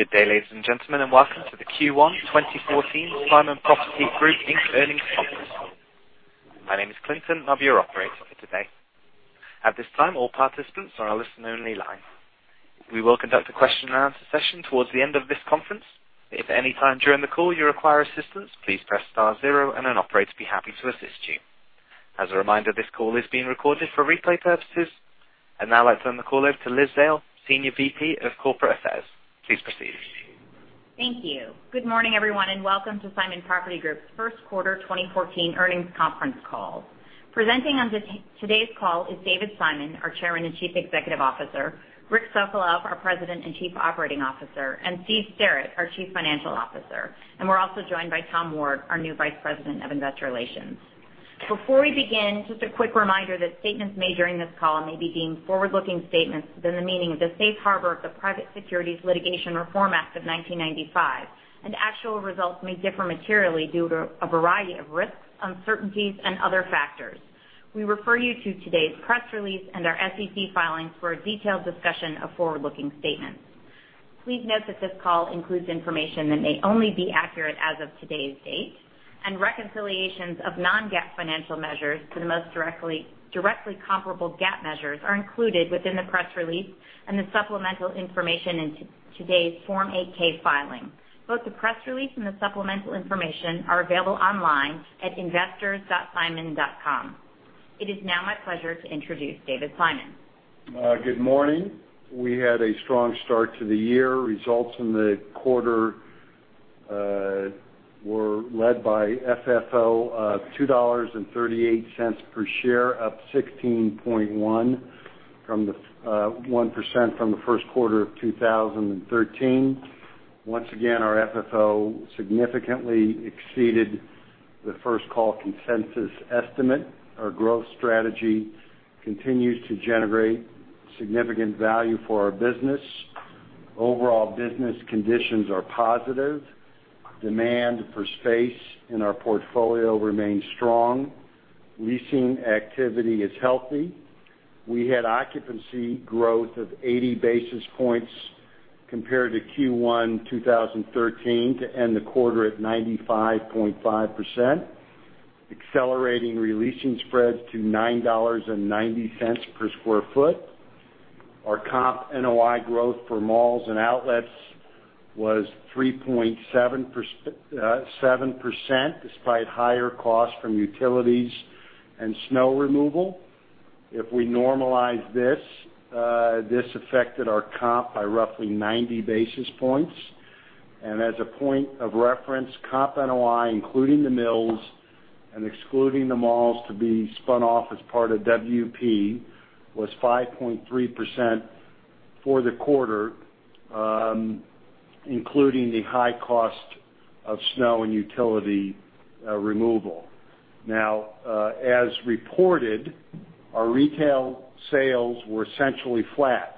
Good day, ladies and gentlemen. Welcome to the Q1 2014 Simon Property Group Inc. Earnings Conference Call. My name is Clinton. I'll be your operator for today. At this time, all participants are on a listen only line. We will conduct a question and answer session towards the end of this conference. If at any time during the call you require assistance, please press star zero. An operator would be happy to assist you. As a reminder, this call is being recorded for replay purposes. Now I turn the call over to Liz Zale, Senior VP of Corporate Affairs. Please proceed. Thank you. Good morning, everyone. Welcome to Simon Property Group's first quarter 2014 earnings conference call. Presenting on today's call is David Simon, our Chairman and Chief Executive Officer, Rick Sokolov, our President and Chief Operating Officer, and Steve Sterrett, our Chief Financial Officer. We're also joined by Tom Ward, our new Vice President of Investor Relations. Before we begin, just a quick reminder that statements made during this call may be deemed forward-looking statements within the meaning of the Safe Harbor of the Private Securities Litigation Reform Act of 1995. Actual results may differ materially due to a variety of risks, uncertainties and other factors. We refer you to today's press release and our SEC filings for a detailed discussion of forward-looking statements. Please note that this call includes information that may only be accurate as of today's date. Reconciliations of non-GAAP financial measures to the most directly comparable GAAP measures are included within the press release and the supplemental information in today's Form 8-K filing. Both the press release and the supplemental information are available online at investors.simon.com. It is now my pleasure to introduce David Simon. Good morning. We had a strong start to the year. Results in the quarter were led by FFO of $2.38 per share, up 16.1% from the first quarter of 2013. Once again, our FFO significantly exceeded the first call consensus estimate. Our growth strategy continues to generate significant value for our business. Overall business conditions are positive. Demand for space in our portfolio remains strong. Leasing activity is healthy. We had occupancy growth of 80 basis points compared to Q1 2013, to end the quarter at 95.5%, accelerating re-leasing spreads to $9.90 per sq ft. Our comp NOI growth for malls and outlets was 3.7%, despite higher costs from utilities and snow removal. If we normalize this affected our comp by roughly 90 basis points. As a point of reference, comp NOI, including the mills and excluding the malls to be spun off as part of WP, was 5.3% for the quarter, including the high cost of snow and utility removal. As reported, our retail sales were essentially flat.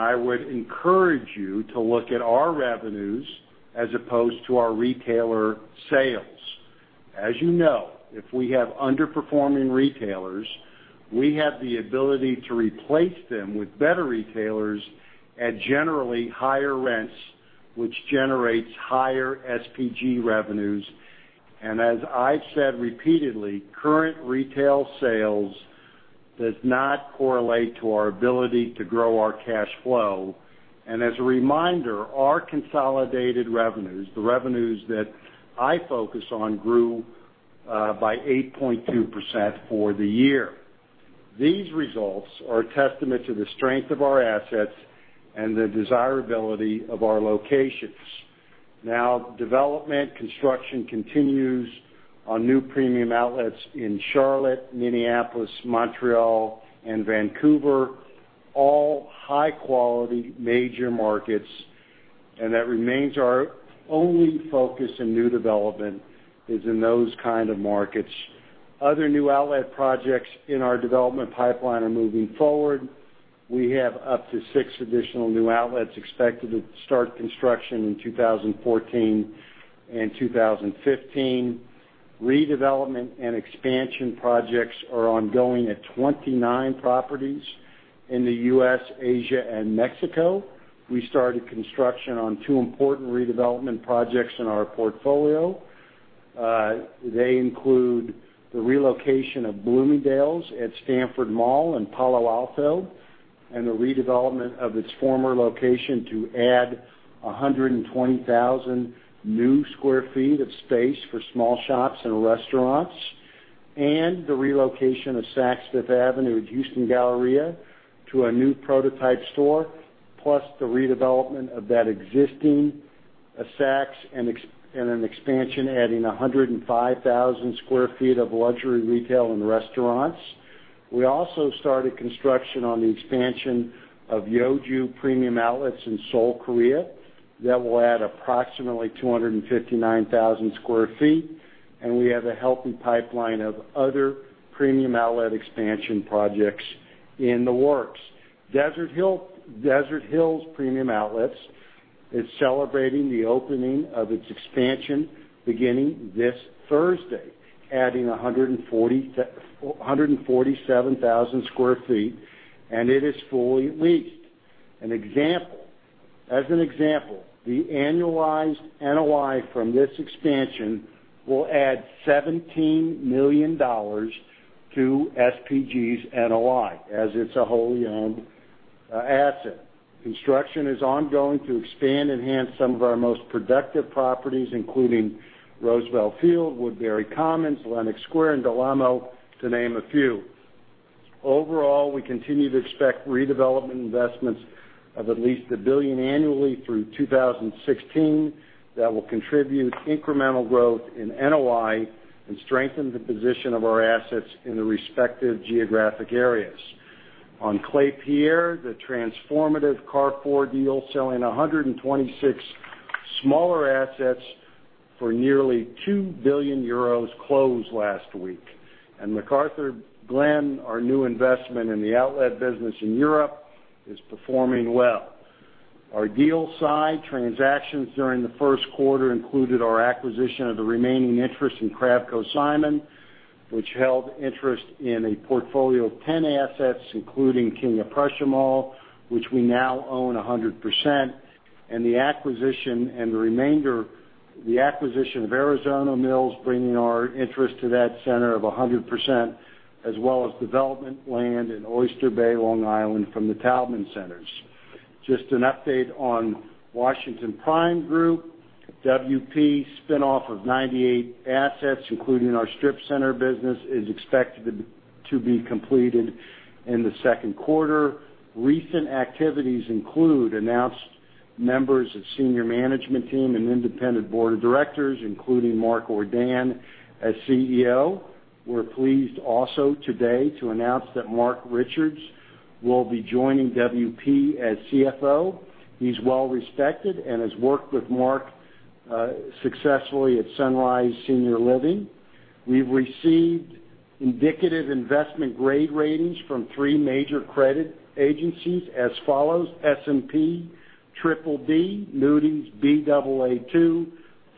I would encourage you to look at our revenues as opposed to our retail sales. As you know, if we have underperforming retailers, we have the ability to replace them with better retailers at generally higher rents, which generates higher SPG revenues. As I've said repeatedly, current retail sales does not correlate to our ability to grow our cash flow. As a reminder, our consolidated revenues, the revenues that I focus on, grew by 8.2% for the year. These results are a testament to the strength of our assets and the desirability of our locations. Development construction continues on new premium outlets in Charlotte, Minneapolis, Montreal and Vancouver, all high-quality, major markets, that remains our only focus in new development, is in those kind of markets. Other new outlet projects in our development pipeline are moving forward. We have up to six additional new outlets expected to start construction in 2014 and 2015. Redevelopment and expansion projects are ongoing at 29 properties in the U.S., Asia, and Mexico. We started construction on two important redevelopment projects in our portfolio. They include the relocation of Bloomingdale's at Stanford Mall in Palo Alto and the redevelopment of its former location to add 120,000 new square feet of space for small shops and restaurants. The relocation of Saks Fifth Avenue at Houston Galleria to a new prototype store, plus the redevelopment of that existing Saks and an expansion adding 105,000 square feet of luxury retail and restaurants. We also started construction on the expansion of Yeoju Premium Outlets in Seoul, Korea. That will add approximately 259,000 square feet, we have a healthy pipeline of other premium outlet expansion projects in the works. Desert Hills Premium Outlets is celebrating the opening of its expansion beginning this Thursday, adding 147,000 square feet, it is fully leased. As an example, the annualized NOI from this expansion will add $17 million to SPG's NOI as it's a wholly owned asset. Construction is ongoing to expand and enhance some of our most productive properties, including Roosevelt Field, Woodbury Commons, Lenox Square, and Del Amo, to name a few. Overall, we continue to expect redevelopment investments of at least $1 billion annually through 2016 that will contribute incremental growth in NOI and strengthen the position of our assets in the respective geographic areas. On Klépierre, the transformative Carrefour deal, selling 126 smaller assets for nearly €2 billion, closed last week. McArthurGlen, our new investment in the outlet business in Europe, is performing well. Our deal side transactions during the first quarter included our acquisition of the remaining interest in Kravco Simon, which held interest in a portfolio of 10 assets, including King of Prussia Mall, which we now own 100%. The acquisition of Arizona Mills, bringing our interest to that center of 100%, as well as development land in Oyster Bay, Long Island, from the Taubman Centers. Just an update on Washington Prime Group. WP spin-off of 98 assets, including our strip center business, is expected to be completed in the second quarter. Recent activities include announced members of senior management team and independent board of directors, including Mark Ordan as CEO. We're pleased also today to announce that Mark Richards will be joining WP as CFO. He's well respected and has worked with Mark successfully at Sunrise Senior Living. We've received indicative investment grade ratings from three major credit agencies as follows: S&P BBB, Moody's Baa2,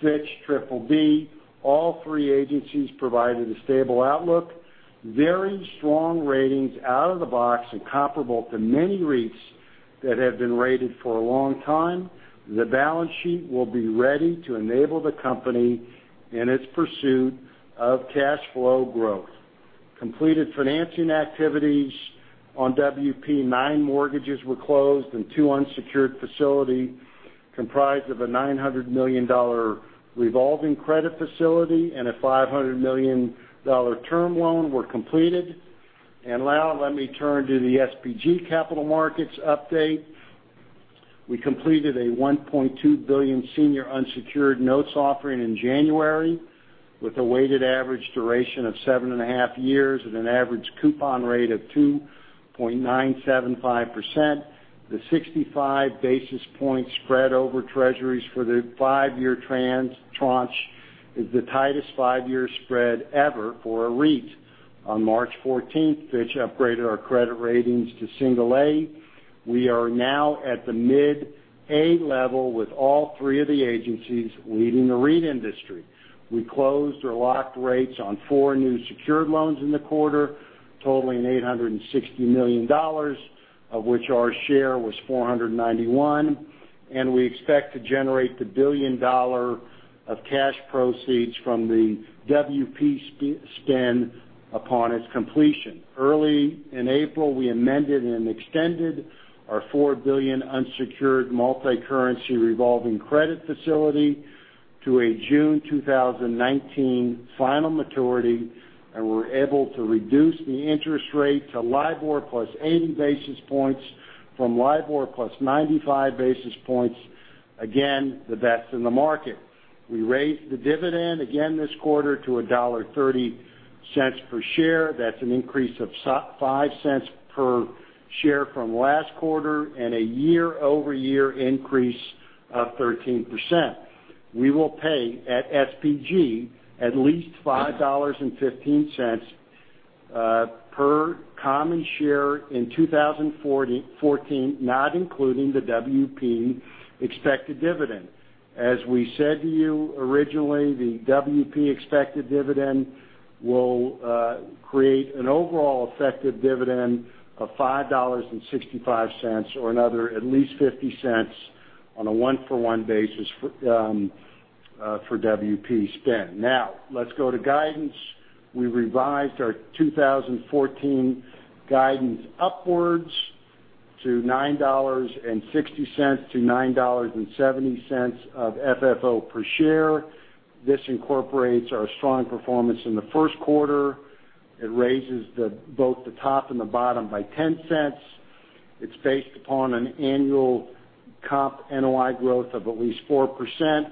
Fitch BBB. All three agencies provided a stable outlook, very strong ratings out of the box and comparable to many REITs that have been rated for a long time. The balance sheet will be ready to enable the company in its pursuit of cash flow growth. Completed financing activities on WP, nine mortgages were closed and two unsecured facility comprised of a $900 million revolving credit facility and a $500 million term loan were completed. Now let me turn to the SPG capital markets update. We completed a $1.2 billion senior unsecured notes offering in January with a weighted average duration of seven and a half years and an average coupon rate of 2.975%. The 65 basis points spread over Treasuries for the five-year tranche is the tightest five-year spread ever for a REIT. On March 14th, Fitch upgraded our credit ratings to single A. We are now at the mid-A level with all three of the agencies leading the REIT industry. We closed or locked rates on four new secured loans in the quarter, totaling $860 million, of which our share was $491 million. We expect to generate $1 billion of cash proceeds from the WP spin upon its completion. Early in April, we amended and extended our $4 billion unsecured multi-currency revolving credit facility to a June 2019 final maturity, and we're able to reduce the interest rate to LIBOR plus 80 basis points from LIBOR plus 95 basis points. Again, the best in the market. We raised the dividend again this quarter to $1.30 per share. That's an increase of $0.05 per share from last quarter and a year-over-year increase of 13%. We will pay at SPG at least $5.15 per common share in 2014, not including the WP expected dividend. As we said to you originally, the WP expected dividend will create an overall effective dividend of $5.65 or another at least $0.50 on a one-for-one basis for WP spin. Let's go to guidance. We revised our 2014 guidance upwards to $9.60-$9.70 of FFO per share. This incorporates our strong performance in the first quarter. It raises both the top and the bottom by $0.10. It's based upon an annual comp NOI growth of at least 4%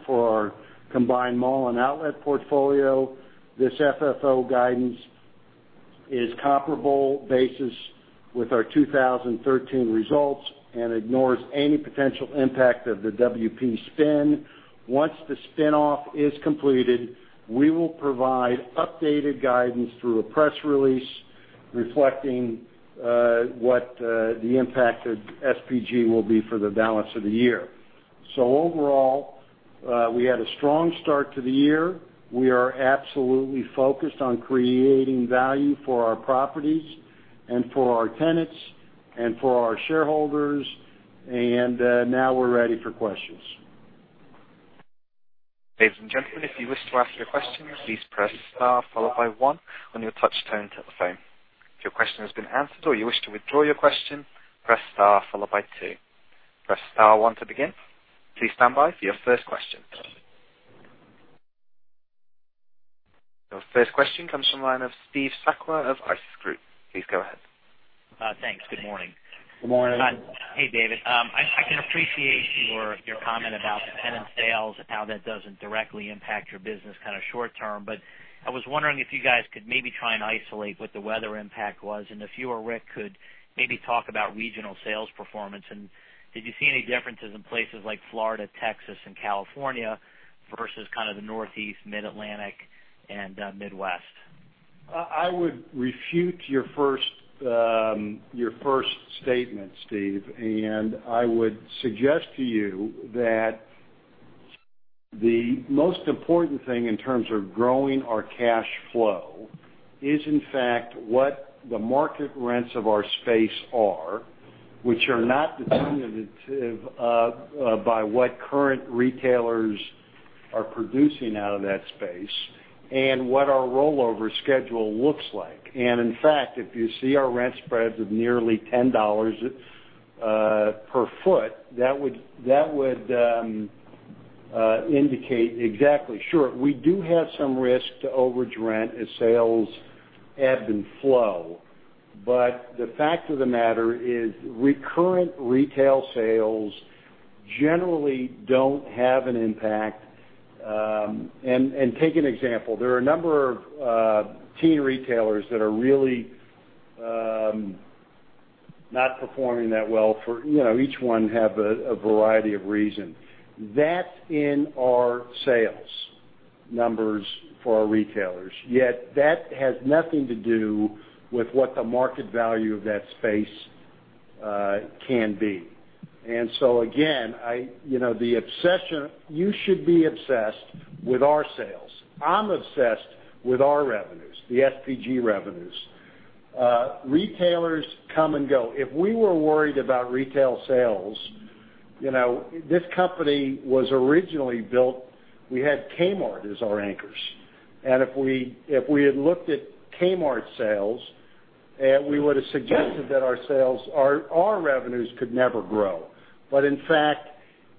for our combined mall and outlet portfolio. This FFO guidance is comparable basis with our 2013 results and ignores any potential impact of the WP spin. Once the spin-off is completed, we will provide updated guidance through a press release reflecting what the impact of SPG will be for the balance of the year. Overall, we had a strong start to the year. We are absolutely focused on creating value for our properties and for our tenants and for our shareholders, we're ready for questions. Ladies and gentlemen, if you wish to ask your question, please press star followed by one on your touch-tone telephone. If your question has been answered or you wish to withdraw your question, press star followed by two. Press star one to begin. Please stand by for your first question. Your first question comes from the line of Steve Sakwa of ISI Group. Please go ahead. Thanks. Good morning. Good morning. Hey, David. I can appreciate your comment about the tenant sales and how that doesn't directly impact your business short-term, but I was wondering if you guys could maybe try and isolate what the weather impact was, and if you or Rick could maybe talk about regional sales performance. Did you see any differences in places like Florida, Texas, and California versus the Northeast, Mid-Atlantic, and Midwest? I would refute your first statement, Steve, and I would suggest to you that the most important thing in terms of growing our cash flow is, in fact, what the market rents of our space are, which are not definitive by what current retailers are producing out of that space and what our rollover schedule looks like. In fact, if you see our rent spreads of nearly $10 per foot, that would indicate exactly. Sure, we do have some risk to overage rent as sales ebb and flow. The fact of the matter is recurrent retail sales generally don't have an impact. Take an example. There are a number of teen retailers that are really not performing that well for Each one have a variety of reason. That's in our sales numbers for our retailers, yet that has nothing to do with what the market value of that space can be. Again, you should be obsessed with our sales. I'm obsessed with our revenues, the SPG revenues. Retailers come and go. If we were worried about retail sales, this company was originally built, we had Kmart as our anchors. If we had looked at Kmart sales, we would have suggested that our revenues could never grow. In fact,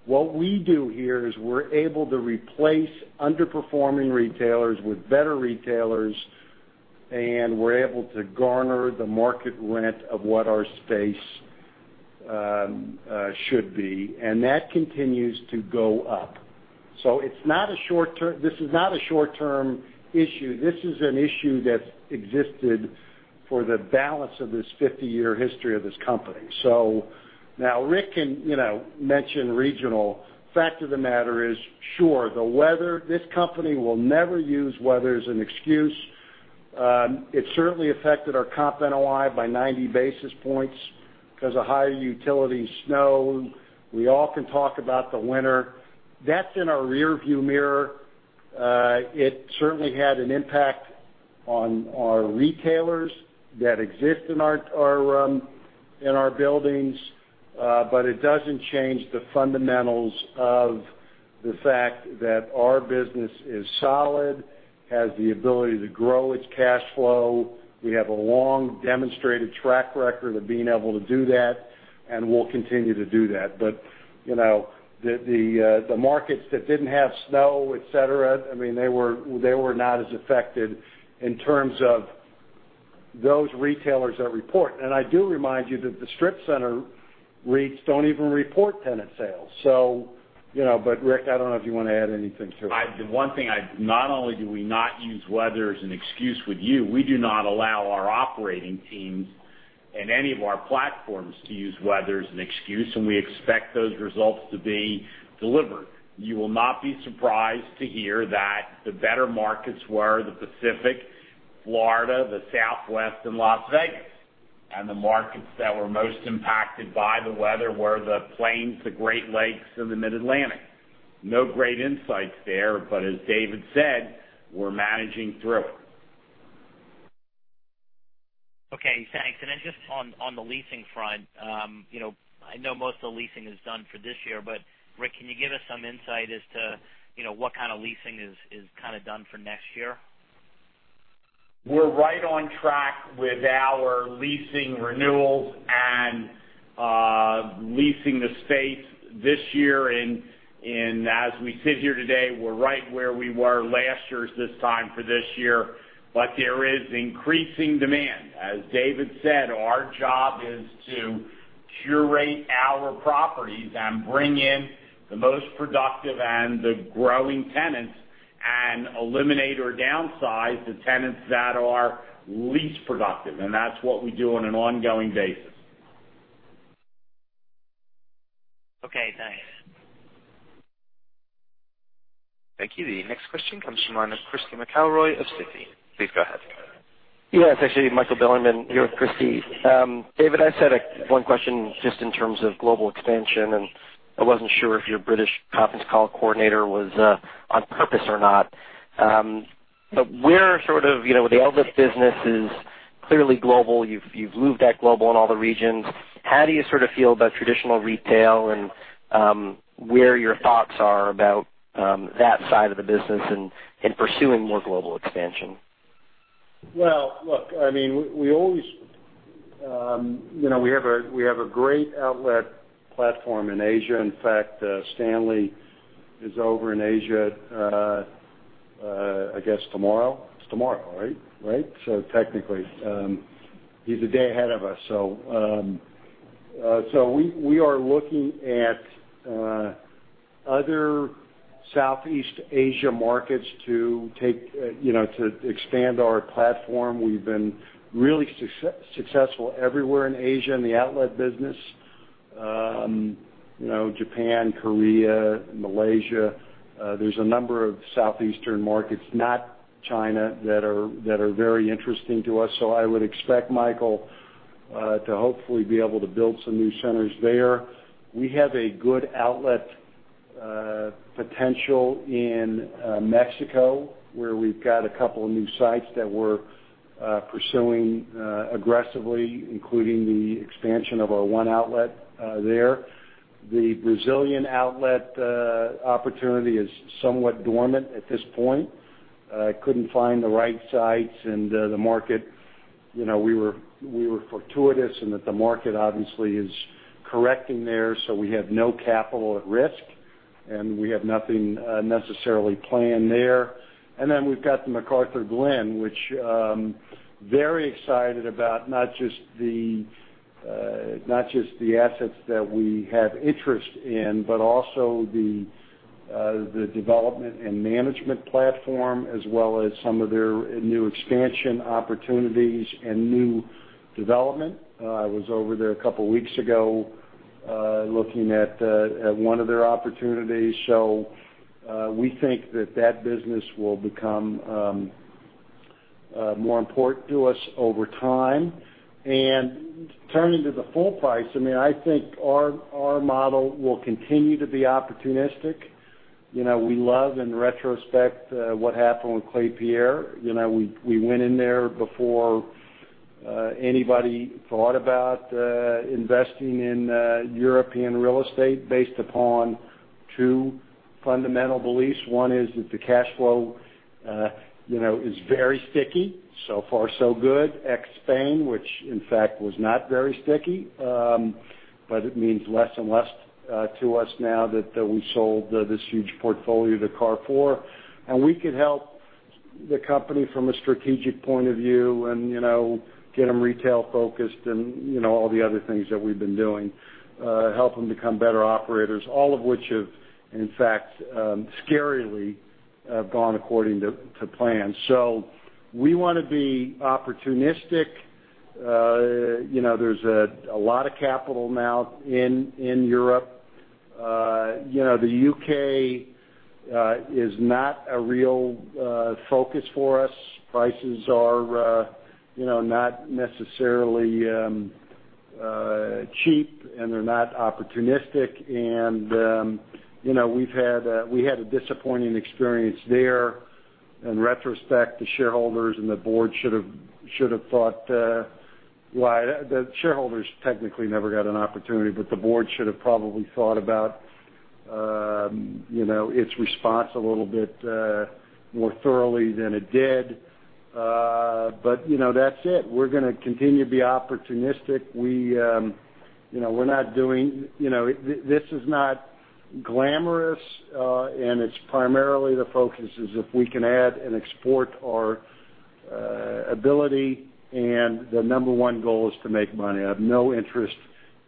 what we do here is we're able to replace underperforming retailers with better retailers, and we're able to garner the market rent of what our space should be, and that continues to go up. This is not a short-term issue. This is an issue that's existed for the balance of this 50-year history of this company. Now Rick can mention regional. Fact of the matter is, sure, the weather, this company will never use weather as an excuse. It certainly affected our comp NOI by 90 basis points because of higher utility snow. We all can talk about the winter. That's in our rear view mirror. It certainly had an impact on our retailers that exist in our buildings. It doesn't change the fundamentals of the fact that our business is solid, has the ability to grow its cash flow. We have a long demonstrated track record of being able to do that, and we'll continue to do that. The markets that didn't have snow, et cetera, they were not as affected in terms of those retailers that report. I do remind you that the strip center REITs don't even report tenant sales. Rick, I don't know if you want to add anything to it. The one thing, not only do we not use weather as an excuse with you, we do not allow our operating teams in any of our platforms to use weather as an excuse, and we expect those results to be delivered. You will not be surprised to hear that the better markets were the Pacific, Florida, the Southwest, and Las Vegas. The markets that were most impacted by the weather were the Plains, the Great Lakes, and the Mid-Atlantic. No great insights there, as David said, we're managing through it. Okay, thanks. Just on the leasing front, I know most of the leasing is done for this year, but Rick, can you give us some insight as to what kind of leasing is done for next year? We're right on track with our leasing renewals and leasing the space this year. As we sit here today, we're right where we were last year this time for this year, there is increasing demand. As David said, our job is to curate our properties and bring in the most productive and the growing tenants and eliminate or downsize the tenants that are least productive, that's what we do on an ongoing basis. Okay, thanks. Thank you. The next question comes from line of Christy McElroy of Citi. Please go ahead. Yes, it's actually Michael Bilerman here with Christy. David, I just had one question just in terms of global expansion. I wasn't sure if your British conference call coordinator was on purpose or not. Where sort of, the outlet business is clearly global. You've moved that global in all the regions. How do you sort of feel about traditional retail and where your thoughts are about that side of the business and pursuing more global expansion? Look, we have a great outlet platform in Asia. In fact, Stanley is over in Asia, I guess tomorrow. It's tomorrow, right? Technically, he's a day ahead of us. We are looking at other Southeast Asia markets to expand our platform. We've been really successful everywhere in Asia in the outlet business. Japan, Korea, Malaysia. There's a number of Southeastern markets, not China, that are very interesting to us. I would expect Michael to hopefully be able to build some new centers there. We have a good outlet potential in Mexico, where we've got a couple of new sites that we're pursuing aggressively, including the expansion of our one outlet there. The Brazilian outlet opportunity is somewhat dormant at this point. Couldn't find the right sites and the market. We were fortuitous in that the market obviously is correcting there. We have no capital at risk, and we have nothing necessarily planned there. We've got the McArthurGlen, which I'm very excited about, not just the assets that we have interest in, but also the development and management platform, as well as some of their new expansion opportunities and new development. I was over there a couple of weeks ago, looking at one of their opportunities. We think that that business will become more important to us over time. Turning to the full price, I think our model will continue to be opportunistic. We love, in retrospect, what happened with Klépierre. We went in there before anybody thought about investing in European real estate based upon two fundamental beliefs. One is that the cash flow is very sticky. Far so good, ex Spain, which in fact was not very sticky. It means less and less to us now that we sold this huge portfolio to Carrefour. We could help the company from a strategic point of view and get them retail-focused and all the other things that we've been doing, help them become better operators, all of which have, in fact, scarily, gone according to plan. We want to be opportunistic. There's a lot of capital now in Europe. The U.K. is not a real focus for us. Prices are not necessarily cheap, and they're not opportunistic. We had a disappointing experience there. In retrospect, the shareholders and the board should have thought. The shareholders technically never got an opportunity, the board should have probably thought about its response a little bit more thoroughly than it did. That's it. We're going to continue to be opportunistic. This is not glamorous, and it's primarily the focus is if we can add and export our ability, and the number one goal is to make money. I have no interest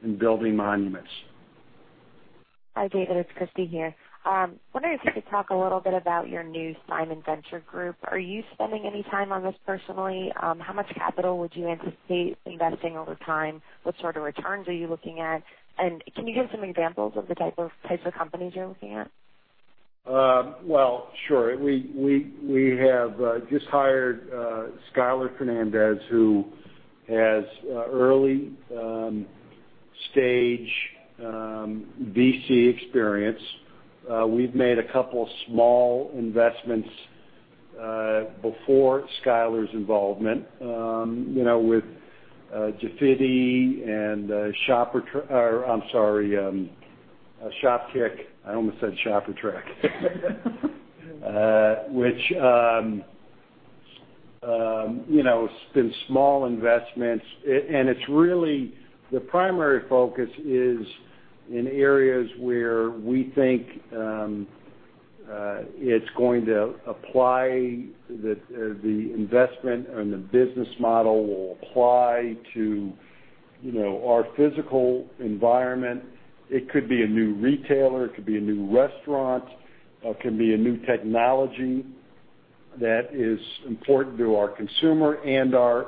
in building monuments. Hi, David. It's Christy here. Wondering if you could talk a little bit about your new Simon Venture Group. Are you spending any time on this personally? How much capital would you anticipate investing over time? What sort of returns are you looking at? Can you give some examples of the types of companies you're looking at? Well, sure. We have just hired Skyler Fernandes, who has early stage VC experience. We've made a couple of small investments before Skyler's involvement with Jafiti and Shopkick. I almost said ShopperTrak. Which it's been small investments. The primary focus is in areas where we think it's going to apply the investment and the business model will apply to our physical environment. It could be a new retailer, it could be a new restaurant, or it could be a new technology that is important to our consumer and our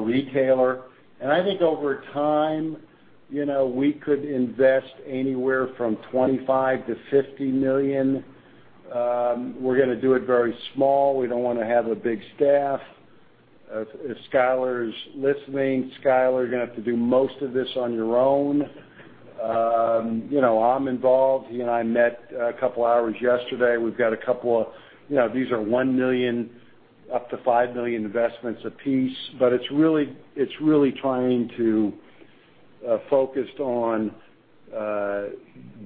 retailer. I think over time, we could invest anywhere from $25 million-$50 million. We're going to do it very small. We don't want to have a big staff. If Skyler's listening, Skyler, you're going to have to do most of this on your own. I'm involved. He and I met a couple of hours yesterday. These are $1 million up to $5 million investments a piece. It's really trying to focused on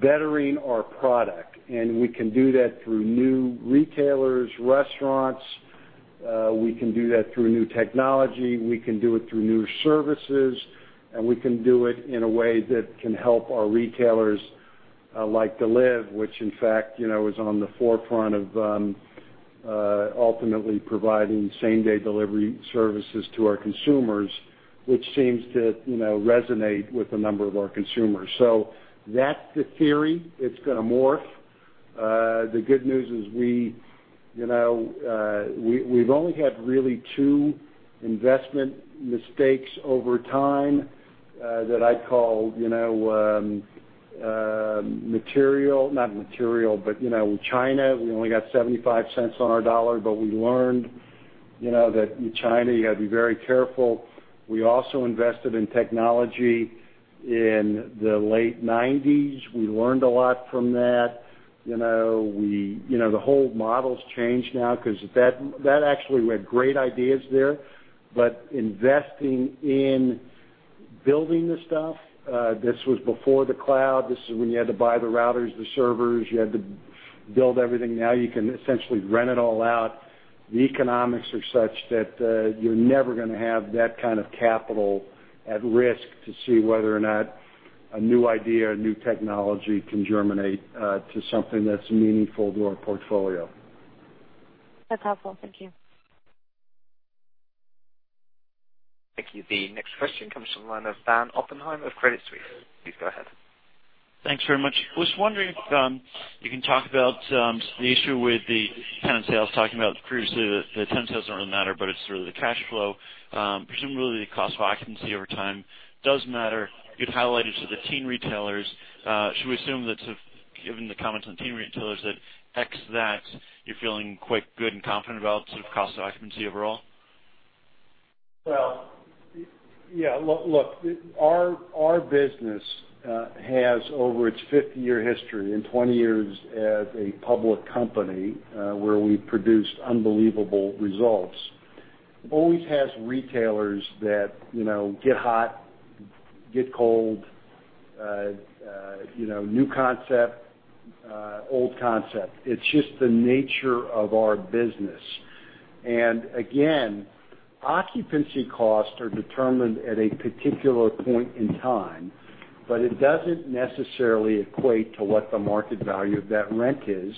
bettering our product, and we can do that through new retailers, restaurants. We can do that through new technology. We can do it through new services, and we can do it in a way that can help our retailers, like Deliv, which in fact is on the forefront of ultimately providing same-day delivery services to our consumers, which seems to resonate with a number of our consumers. That's the theory. It's going to morph. The good news is we've only had really two investment mistakes over time that I'd call material, not material, but with China, we only got $0.75 on our dollar, but we learned that with China, you got to be very careful. We also invested in technology in the late 1990s. We learned a lot from that. The whole model's changed now because that actually we had great ideas there. Investing in building the stuff, this was before the cloud. This is when you had to buy the routers, the servers. You had to build everything. Now you can essentially rent it all out. The economics are such that you're never going to have that kind of capital at risk to see whether or not a new idea, a new technology can germinate to something that's meaningful to our portfolio. That's helpful. Thank you. Thank you. The next question comes from the line of Dan Oppenheim of Credit Suisse. Please go ahead. Thanks very much. I was wondering if you can talk about the issue with the tenant sales, talking about previously that the tenant sales don't really matter, but it's really the cash flow. Presumably, the cost of occupancy over time does matter. You'd highlighted to the teen retailers. Should we assume that given the comments on teen retailers, that you're feeling quite good and confident about sort of cost occupancy overall? Well, yeah. Look, our business has over its 50-year history and 20 years as a public company where we've produced unbelievable results, always has retailers that get hot, get cold, new concept, old concept. It's just the nature of our business. Again, occupancy costs are determined at a particular point in time, but it doesn't necessarily equate to what the market value of that rent is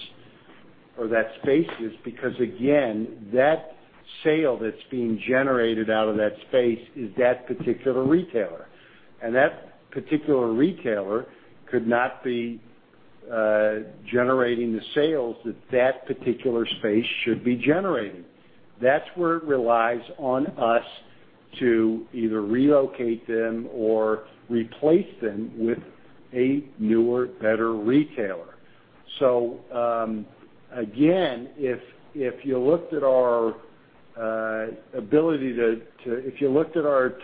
or that space is because, again, that sale that's being generated out of that space is that particular retailer. That particular retailer could not be generating the sales that that particular space should be generating. That's where it relies on us to either relocate them or replace them with a newer, better retailer. Again, if you looked at our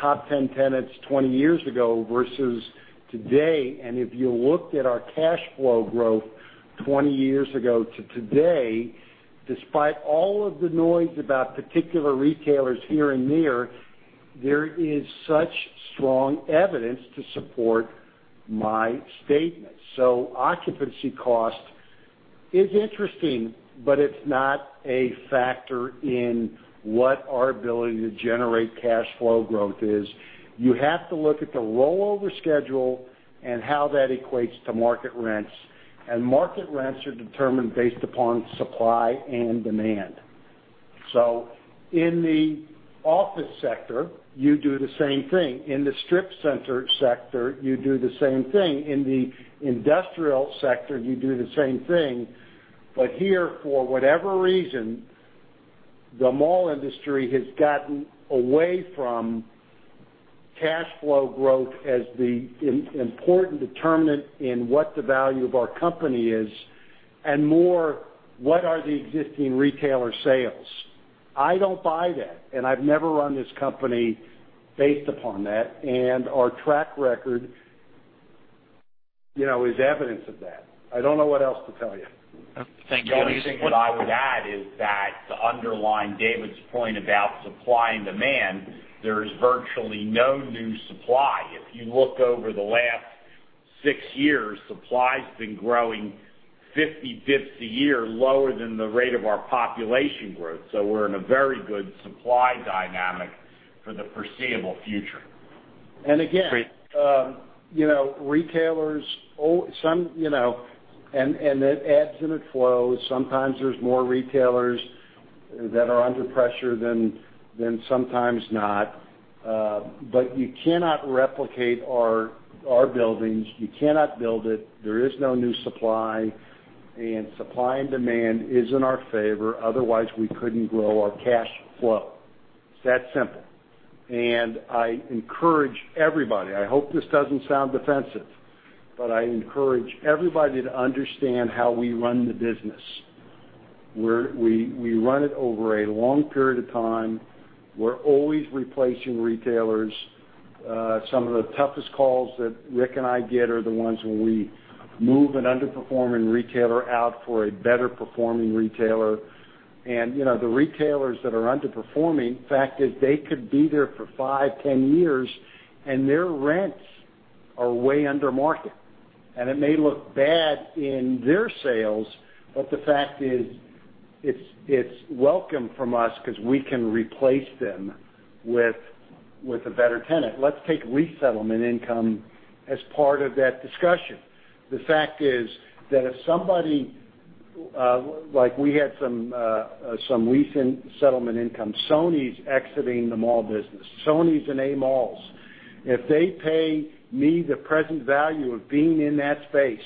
top 10 tenants 20 years ago versus today, and if you looked at our cash flow growth 20 years ago to today, despite all of the noise about particular retailers here and there is such strong evidence to support my statement. Occupancy cost is interesting, but it's not a factor in what our ability to generate cash flow growth is. You have to look at the rollover schedule and how that equates to market rents, and market rents are determined based upon supply and demand. In the office sector, you do the same thing. In the strip center sector, you do the same thing. In the industrial sector, you do the same thing. Here, for whatever reason, the mall industry has gotten away from cash flow growth as the important determinant in what the value of our company is, and more what are the existing retailer sales. I don't buy that, and I've never run this company based upon that, and our track record is evidence of that. I don't know what else to tell you. Thank you. The only thing that I would add is that to underline David's point about supply and demand, there is virtually no new supply. If you look over the last 6 years, supply's been growing 50 basis points a year lower than the rate of our population growth. We're in a very good supply dynamic for the foreseeable future. Again, retailers, and it ebbs and it flows. Sometimes there's more retailers that are under pressure than sometimes not. You cannot replicate our buildings. You cannot build it. There is no new supply and demand is in our favor, otherwise we couldn't grow our cash flow. It's that simple. I encourage everybody, I hope this doesn't sound defensive, but I encourage everybody to understand how we run the business. We run it over a long period of time. We're always replacing retailers. Some of the toughest calls that Rick and I get are the ones when we move an underperforming retailer out for a better performing retailer. The retailers that are underperforming, the fact is they could be there for five, 10 years and their rents are way under market. It may look bad in their sales, the fact is, it's welcome from us because we can replace them with a better tenant. Let's take lease settlement income as part of that discussion. The fact is that if somebody, like we had some recent settlement income, Sony's exiting the mall business. Sony's in A malls. If they pay me the present value of being in that space,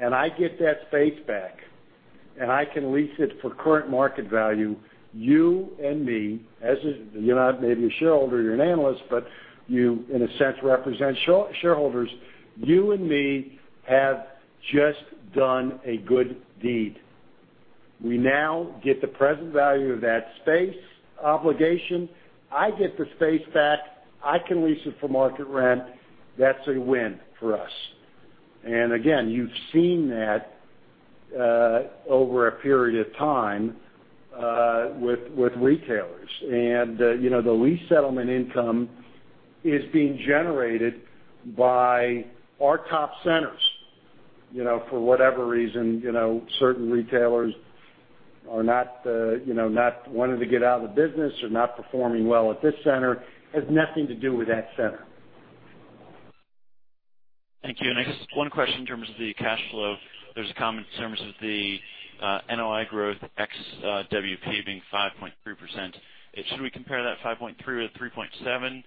I get that space back, I can lease it for current market value, you and me, you're not maybe a shareholder, you're an analyst, but you, in a sense, represent shareholders. You and me have just done a good deed. We now get the present value of that space obligation. I get the space back. I can lease it for market rent. That's a win for us. Again, you've seen that over a period of time with retailers. The lease settlement income is being generated by our top centers. For whatever reason, certain retailers are not wanting to get out of the business or not performing well at this center, has nothing to do with that center. I guess one question in terms of the cash flow, there's a comment in terms of the NOI growth ex-WP being 5.3%. Should we compare that 5.3% with 3.7%?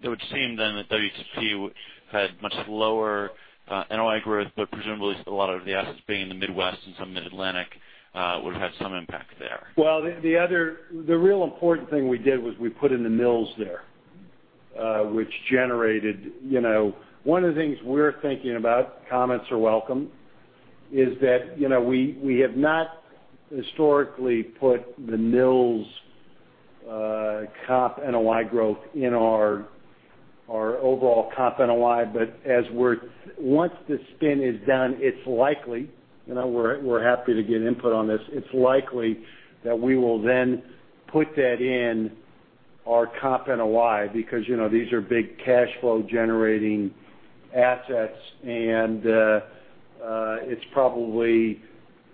It would seem then that WP had much lower NOI growth, but presumably a lot of the assets being in the Midwest and some Mid-Atlantic, would have had some impact there. The real important thing we did was we put in the mills there. One of the things we're thinking about, comments are welcome, is that we have not historically put the mills comp NOI growth in our overall comp NOI. Once the spin is done, it's likely, we're happy to get input on this. It's likely that we will then put that in our comp NOI because these are big cash flow generating assets, and it's probably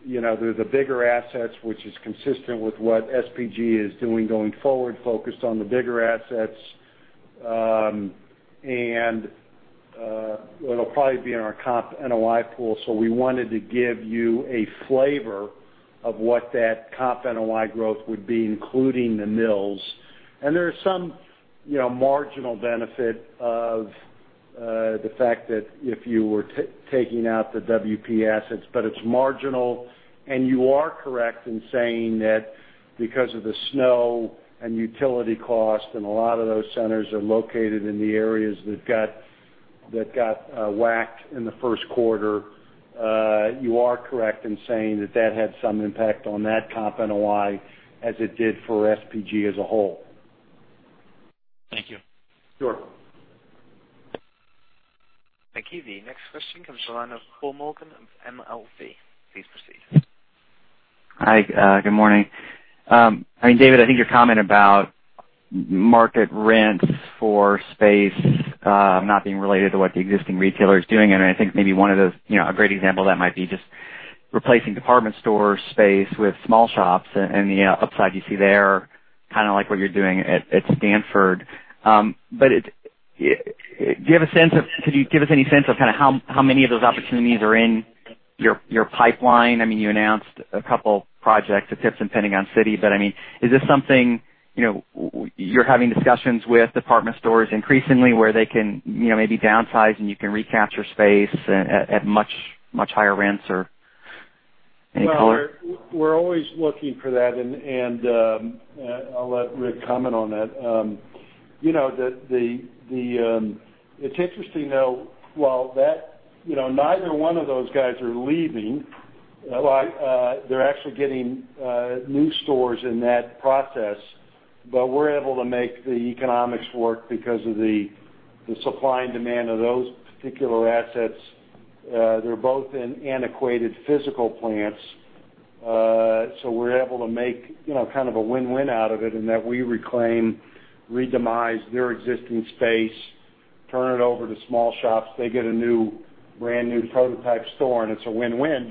the bigger assets, which is consistent with what SPG is doing going forward, focused on the bigger assets. It'll probably be in our comp NOI pool. We wanted to give you a flavor of what that comp NOI growth would be, including the mills. There's some marginal benefit of the fact that if you were taking out the WP assets, but it's marginal. You are correct in saying that because of the snow and utility cost. A lot of those centers are located in the areas that got whacked in the first quarter. You are correct in saying that that had some impact on that comp NOI as it did for SPG as a whole. Thank you. Sure. Thank you. The next question comes from the line of Paul Morgan of MLV. Please proceed. Hi. Good morning. David, I think your comment about market rents for space not being related to what the existing retailer is doing, and I think maybe a great example of that might be just replacing department store space with small shops and the upside you see there, kind of like what you're doing at Stanford. Could you give us any sense of how many of those opportunities are in your pipeline? You announced a couple projects at Fashion Centre, Pentagon City, but is this something you're having discussions with department stores increasingly where they can maybe downsize and you can recapture space at much higher rents or any color? We're always looking for that. I'll let Rick comment on that. It's interesting, though, while neither one of those guys are leaving, they're actually getting new stores in that process. We're able to make the economics work because of the supply and demand of those particular assets. They're both in antiquated physical plants, so we're able to make kind of a win-win out of it in that we reclaim, re-demise their existing space, turn it over to small shops. They get a brand-new prototype store. It's a win-win.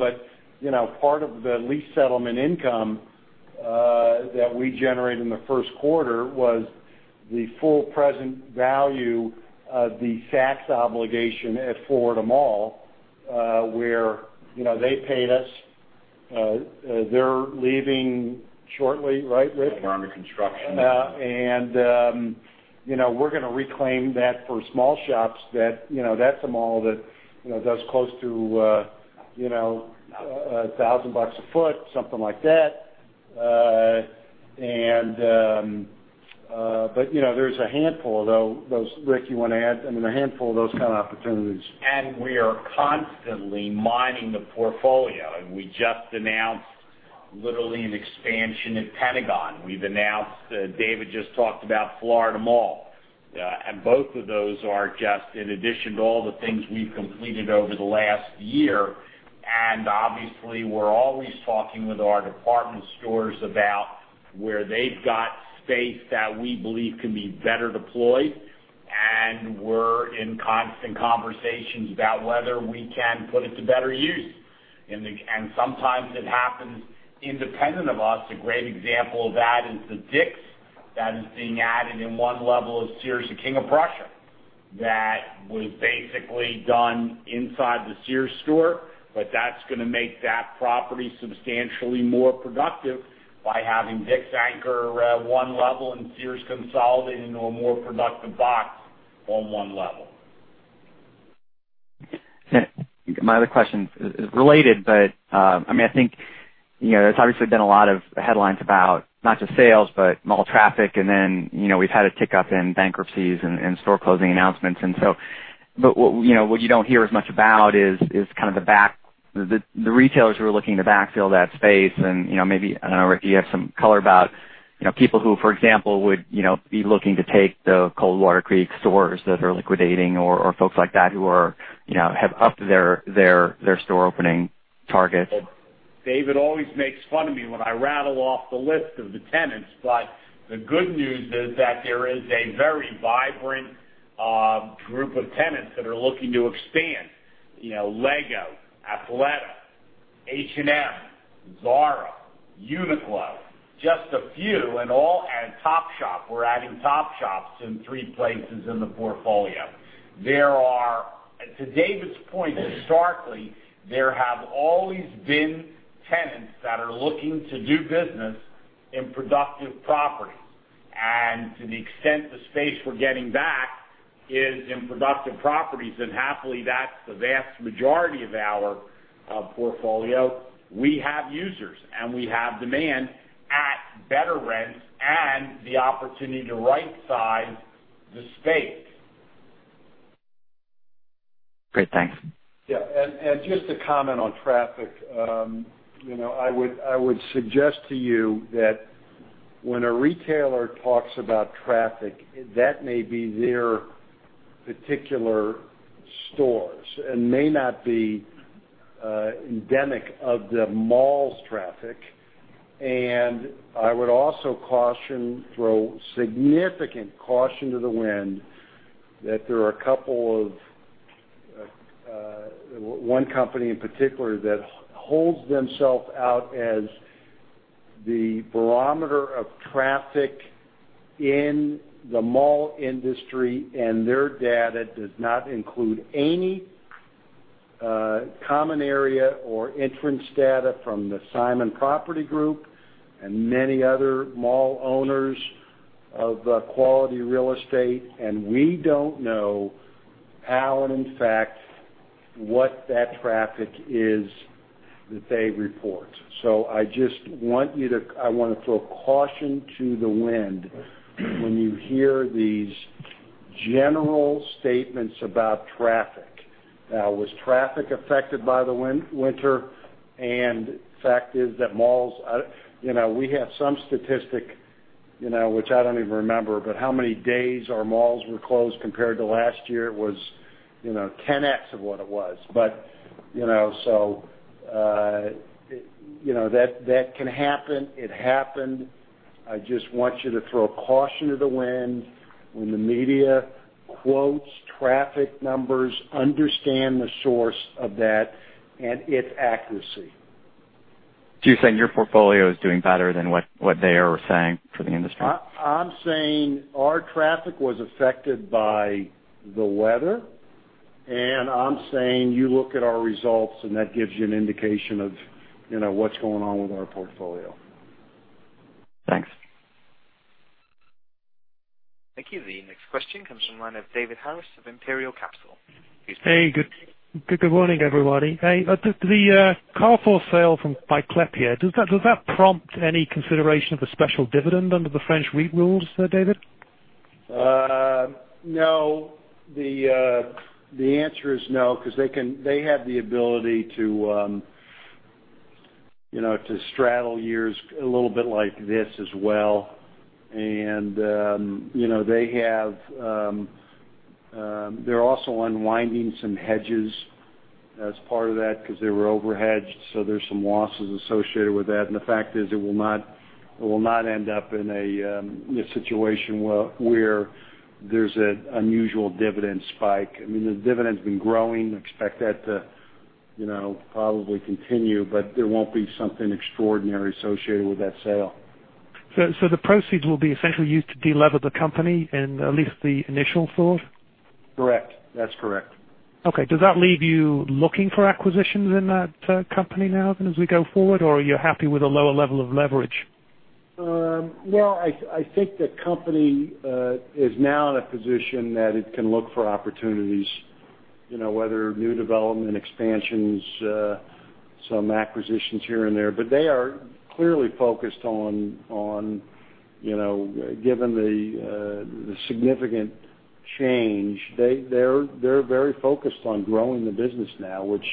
Part of the lease settlement income that we generated in the first quarter was the full present value of the tax obligation at Florida Mall, where they paid us. They're leaving shortly, right, Rick? They're under construction. We're going to reclaim that for small shops. That's a mall that does close to $1,000 a foot, something like that. There's a handful, though, those, Rick, you want to add, I mean, a handful of those kind of opportunities. We are constantly mining the portfolio. We just announced literally an expansion at Pentagon. We've announced, David just talked about Florida Mall. Both of those are just in addition to all the things we've completed over the last year. Obviously, we're always talking with our department stores about where they've got space that we believe can be better deployed. We're in constant conversations about whether we can put it to better use. Sometimes it happens independent of us. A great example of that is the Dick's that is being added in one level of Sears at King of Prussia. That was basically done inside the Sears store, but that's going to make that property substantially more productive by having Dick's anchor one level and Sears consolidating into a more productive box on one level. My other question is related, I think, there's obviously been a lot of headlines about not just sales, but mall traffic, then we've had a tick up in bankruptcies and store closing announcements. What you don't hear as much about is the retailers who are looking to backfill that space and, maybe, I don't know, Rick, if you have some color about, people who, for example, would be looking to take the Coldwater Creek stores that are liquidating or folks like that who have upped their store opening targets. David always makes fun of me when I rattle off the list of the tenants, the good news is that there is a very vibrant group of tenants that are looking to expand. Lego, Athleta, H&M, Zara, Uniqlo, just a few, Topshop. We're adding Topshops in three places in the portfolio. To David's point, historically, there have always been tenants that are looking to do business in productive properties. To the extent the space we're getting back is in productive properties, and happily, that's the vast majority of our portfolio, we have users and we have demand at better rents and the opportunity to right-size the space. Great. Thanks. Just to comment on traffic. I would suggest to you that when a retailer talks about traffic, that may be their particular stores and may not be endemic of the mall's traffic. I would also caution, throw significant caution to the wind, that there are a couple of, one company in particular, that holds themself out as the barometer of traffic in the mall industry, and their data does not include any common area or entrance data from the Simon Property Group and many other mall owners of quality real estate. We don't know how, and in fact, what that traffic is that they report. I want to throw caution to the wind when you hear these general statements about traffic. Now, was traffic affected by the winter? The fact is that malls, we have some statistic, which I don't even remember, but how many days our malls were closed compared to last year was 10x of what it was. That can happen. It happened. I just want you to throw caution to the wind when the media quotes traffic numbers, understand the source of that and its accuracy. You're saying your portfolio is doing better than what they are saying for the industry? I'm saying our traffic was affected by the weather, I'm saying you look at our results, that gives you an indication of what's going on with our portfolio. Thanks. Thank you. The next question comes from the line of David Harris of Imperial Capital. Hey, good morning, everybody. Hey, the Carrefour sale by Klépierre, does that prompt any consideration of a special dividend under the French REIT rules, David? No. The answer is no because they have the ability to straddle years a little bit like this as well. They're also unwinding some hedges as part of that because they were over-hedged, there's some losses associated with that. The fact is it will not end up in a situation where there's an unusual dividend spike. I mean, the dividend's been growing. Expect that to probably continue, but there won't be something extraordinary associated with that sale. The proceeds will be essentially used to delever the company in at least the initial thought? Correct. That's correct. Does that leave you looking for acquisitions in that company now as we go forward, or are you happy with a lower level of leverage? I think the company is now in a position that it can look for opportunities, whether new development expansions, some acquisitions here and there. They are clearly focused on, given the significant change, they're very focused on growing the business now. Which,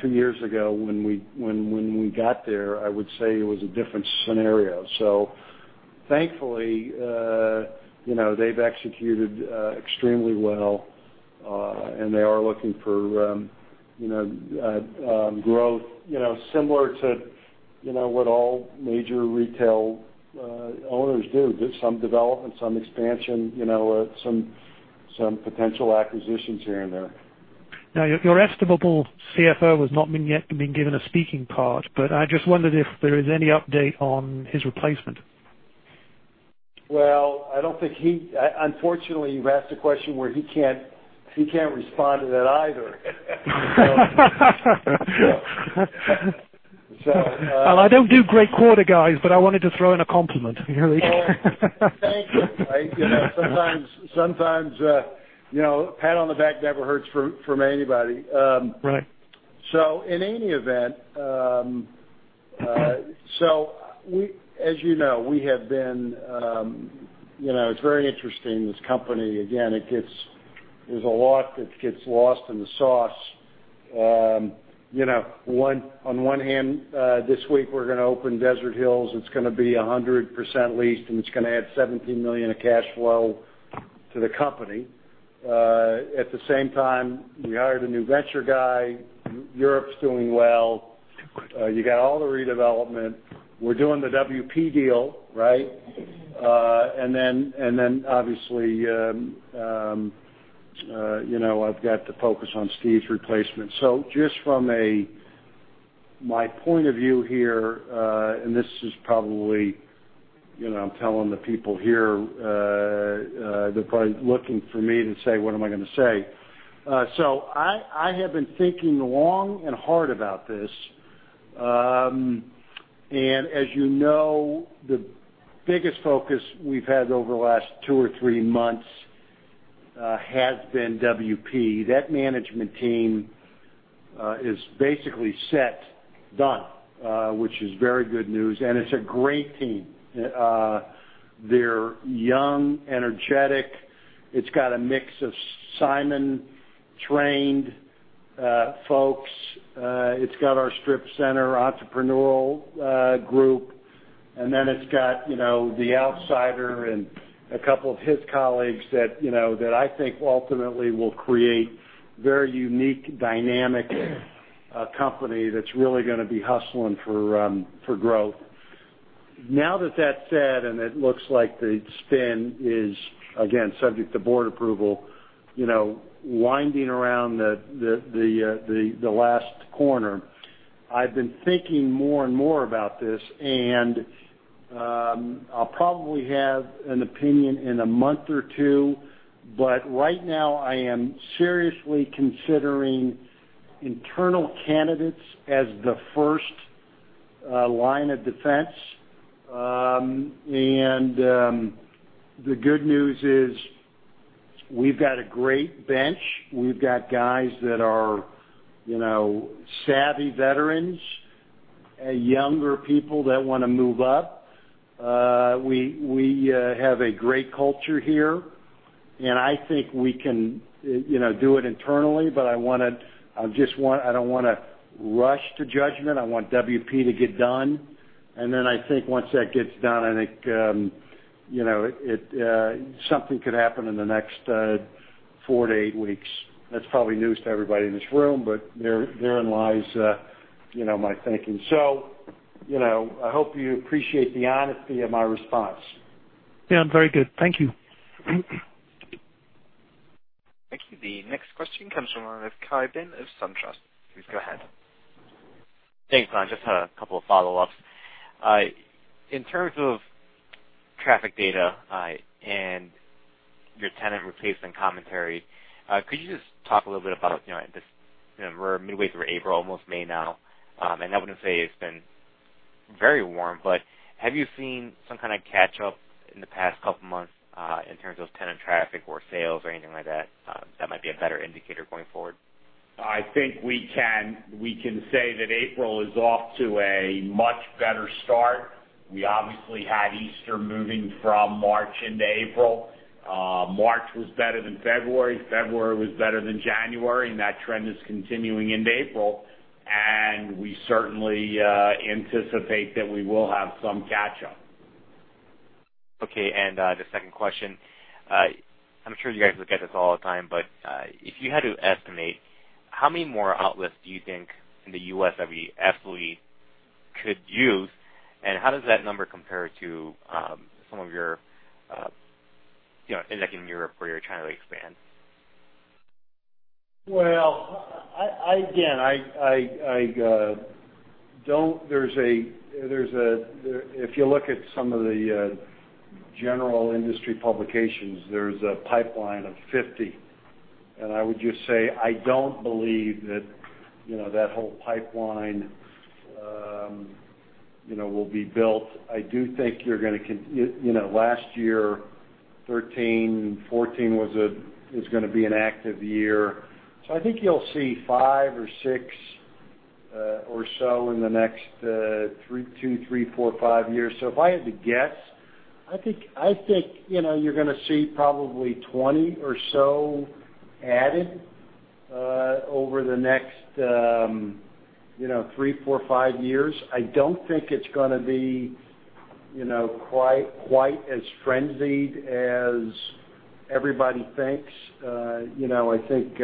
two years ago, when we got there, I would say it was a different scenario. Thankfully, they've executed extremely well, and they are looking for growth, similar to what all major retail owners do. Do some development, some expansion, some potential acquisitions here and there. Your estimable CFO has not yet been given a speaking part, but I just wondered if there is any update on his replacement. Well, unfortunately, you've asked a question where he can't respond to that either. I don't do great quarter guys, but I wanted to throw in a compliment. Thank you. Sometimes, pat on the back never hurts from anybody. Right. In any event, as you know, it's very interesting, this company, again, there's a lot that gets lost in the sauce. On one hand, this week we're going to open Desert Hills. It's going to be 100% leased, and it's going to add $17 million of cash flow to the company. At the same time, we hired a new venture guy. Europe's doing well. You got all the redevelopment. We're doing the WP deal. Obviously, I've got to focus on Steve's replacement. Just from my point of view here, and this is probably, I'm telling the people here, they're probably looking for me to say, what am I going to say? I have been thinking long and hard about this. As you know, the biggest focus we've had over the last two or three months, has been WP. That management team is basically set, done, which is very good news, it's a great team. They're young, energetic. It's got a mix of Simon-trained folks. It's got our strip center entrepreneurial group, and then it's got the outsider and a couple of his colleagues that I think ultimately will create very unique, dynamic company that's really going to be hustling for growth. It looks like the spin is, again, subject to board approval, winding around the last corner. I've been thinking more and more about this, and I'll probably have an opinion in a month or two. Right now, I am seriously considering internal candidates as the first line of defense. The good news is we've got a great bench. We've got guys that are savvy veterans, younger people that want to move up. We have a great culture here, I think we can do it internally, but I don't want to rush to judgment. I want WP to get done. I think once that gets done, I think something could happen in the next four to eight weeks. That's probably news to everybody in this room, therein lies my thinking. I hope you appreciate the honesty of my response. Yeah. Very good. Thank you. Thank you. The next question comes from the line of Ki Bin of SunTrust. Please go ahead. Thanks, Ron. Just had a couple of follow-ups. In terms of traffic data and your tenant replacement commentary, could you just talk a little bit about this? We're midway through April, almost May now. I wouldn't say it's been very warm, but have you seen some kind of catch up in the past couple of months, in terms of tenant traffic or sales or anything like that might be a better indicator going forward? I think we can say that April is off to a much better start. We obviously had Easter moving from March into April. March was better than February. February was better than January. That trend is continuing into April. We certainly anticipate that we will have some catch up. Okay, the second question. I'm sure you guys look at this all the time, if you had to estimate, how many more outlets do you think in the U.S. that we absolutely could use, and how does that number compare to some of your, in Europe where you're trying to expand? Well, again, if you look at some of the general industry publications, there's a pipeline of 50. I would just say, I don't believe that whole pipeline will be built. Last year, 2013, 2014 was going to be an active year. I think you'll see five or six or so in the next two, three, four, five years. If I had to guess, I think you're going to see probably 20 or so added over the next three, four, five years. I don't think it's going to be quite as frenzied as everybody thinks. I think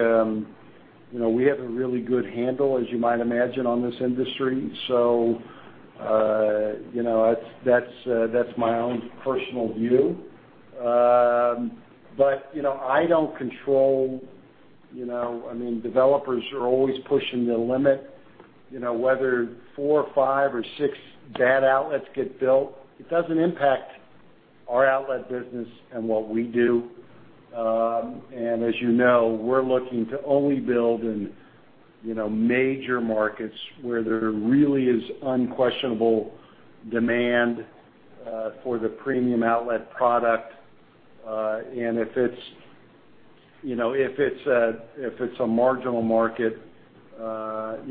we have a really good handle, as you might imagine, on this industry. That's my own personal view. I don't control Developers are always pushing the limit, whether four, five, or six bad outlets get built. It doesn't impact our outlet business and what we do. As you know, we're looking to only build in major markets where there really is unquestionable demand for the premium outlet product. If it's a marginal market, we're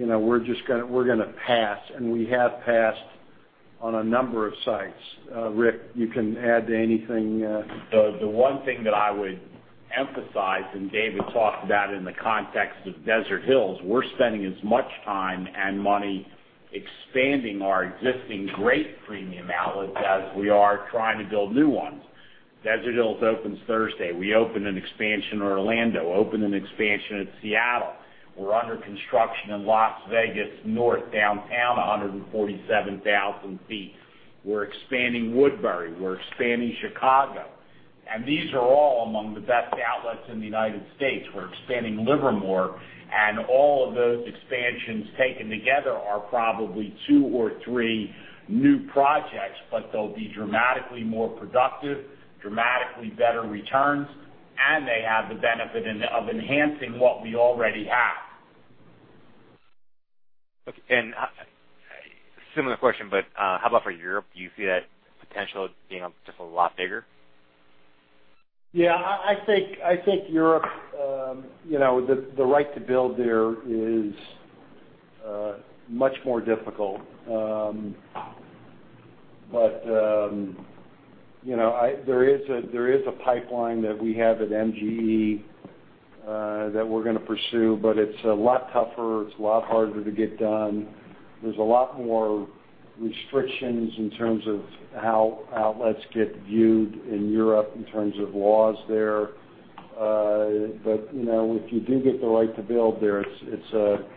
going to pass, and we have passed on a number of sites. Rick, you can add anything. The one thing that I would emphasize, David talked about in the context of Desert Hills, we're spending as much time and money expanding our existing great premium outlets as we are trying to build new ones. Desert Hills opens Thursday. We open an expansion in Orlando, open an expansion in Seattle. We're under construction in Las Vegas, North Downtown, 147,000 feet. We're expanding Woodbury, we're expanding Chicago. These are all among the best outlets in the U.S. We're expanding Livermore, all of those expansions taken together are probably two or three new projects, but they'll be dramatically more productive, dramatically better returns, and they have the benefit of enhancing what we already have. Okay. Similar question, how about for Europe? Do you see that potential being just a lot bigger? I think Europe, the right to build there is much more difficult. There is a pipeline that we have at MGE that we're going to pursue, but it's a lot tougher. It's a lot harder to get done. There's a lot more restrictions in terms of how outlets get viewed in Europe, in terms of laws there. If you do get the right to build there, it's a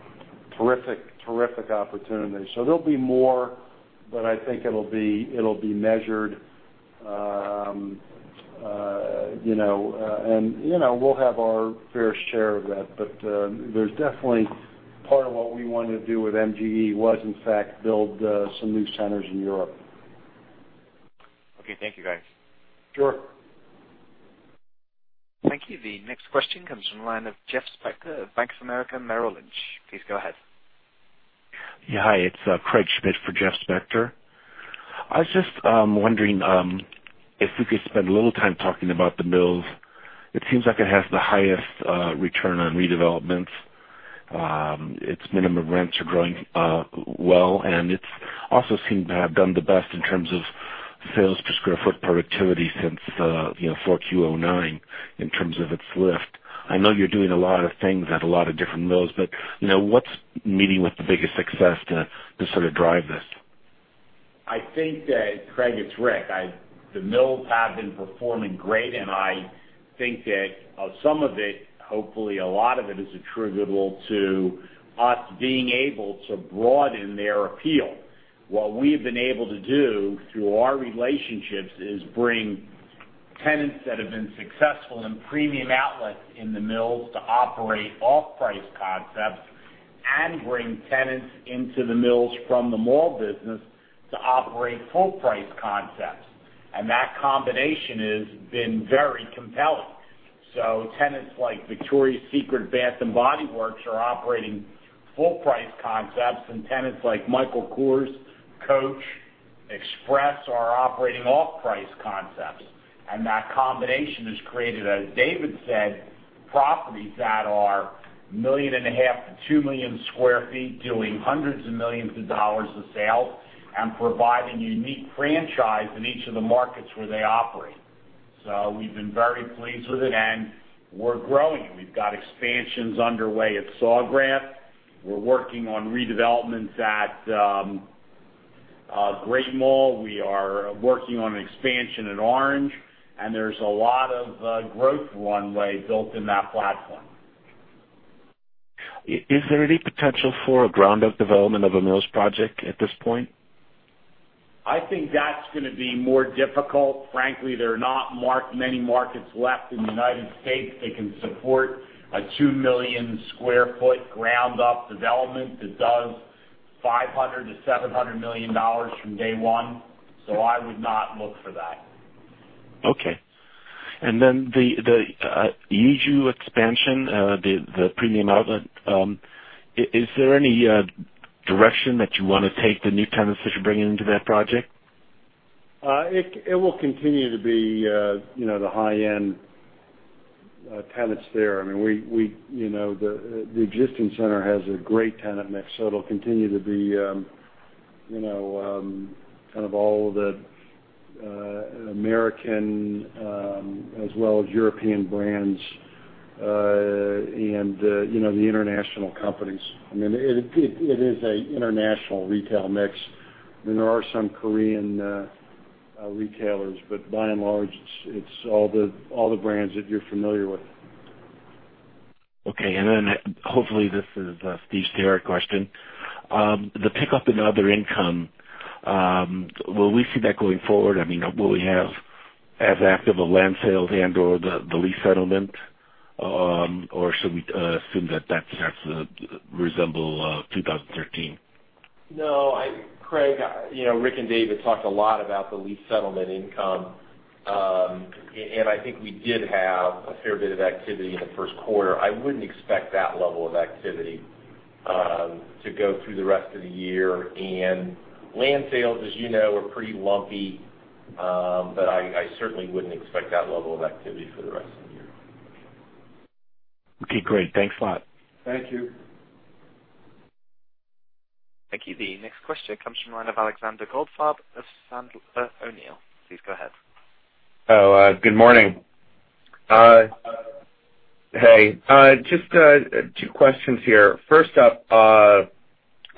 terrific opportunity. There'll be more, but I think it'll be measured, and we'll have our fair share of that. There's definitely part of what we wanted to do with MGE was in fact build some new centers in Europe. Thank you, guys. Sure. Thank you. The next question comes from the line of Jeffrey Spector of Bank of America Merrill Lynch. Please go ahead. Hi, it's Craig Schmidt for Jeffrey Spector. I was just wondering if we could spend a little time talking about The Mills. It seems like it has the highest return on redevelopments. Its minimum rents are growing well, and it also seems to have done the best in terms of sales per sq ft productivity since 4Q 2009 in terms of its lift. I know you're doing a lot of things at a lot of different Mills, but what's meeting with the biggest success to sort of drive this? Craig, it's Rick. The Mills have been performing great, I think that some of it, hopefully, a lot of it is attributable to us being able to broaden their appeal. What we have been able to do through our relationships is bring tenants that have been successful in Premium Outlets in The Mills to operate off-price concepts and bring tenants into The Mills from the mall business to operate full-price concepts. That combination has been very compelling. Tenants like Victoria's Secret, Bath & Body Works are operating full-price concepts, and tenants like Michael Kors, Coach, Express are operating off-price concepts. That combination has created, as David said, properties that are 1.5 million to 2 million sq ft, doing hundreds of millions of dollars of sales and providing unique franchise in each of the markets where they operate. We've been very pleased with it, we're growing. We've got expansions underway at Sawgrass Mills. We're working on redevelopments at Great Mall. We are working on an expansion at Orange, there's a lot of growth runway built in that platform. Is there any potential for a ground-up development of a Mills project at this point? I think that's going to be more difficult. Frankly, there are not many markets left in the U.S. that can support a 2 million sq ft ground-up development that does $500 million-$700 million from day one. I would not look for that. Okay. The Yeoju expansion, the premium outlet, is there any direction that you want to take the new tenants that you're bringing into that project? It will continue to be the high-end tenants there. The existing center has a great tenant mix, so it'll continue to be all the American, as well as European brands, and the international companies. It is an international retail mix. There are some Korean retailers, but by and large, it's all the brands that you're familiar with. Okay. Hopefully, this is a Steve Sterrett question. The pickup in other income, will we see that going forward? Will we have as active a land sales and/or the lease settlement, or should we assume that starts to resemble 2013? No, Craig, Rick and David talked a lot about the lease settlement income, and I think we did have a fair bit of activity in the first quarter. I wouldn't expect that level of activity to go through the rest of the year. Land sales, as you know, are pretty lumpy, but I certainly wouldn't expect that level of activity for the rest of the year. Okay, great. Thanks a lot. Thank you. Thank you. The next question comes from the line of Alexander Goldfarb of Sandler O'Neill. Please go ahead. Good morning. Hey, just two questions here. First up, on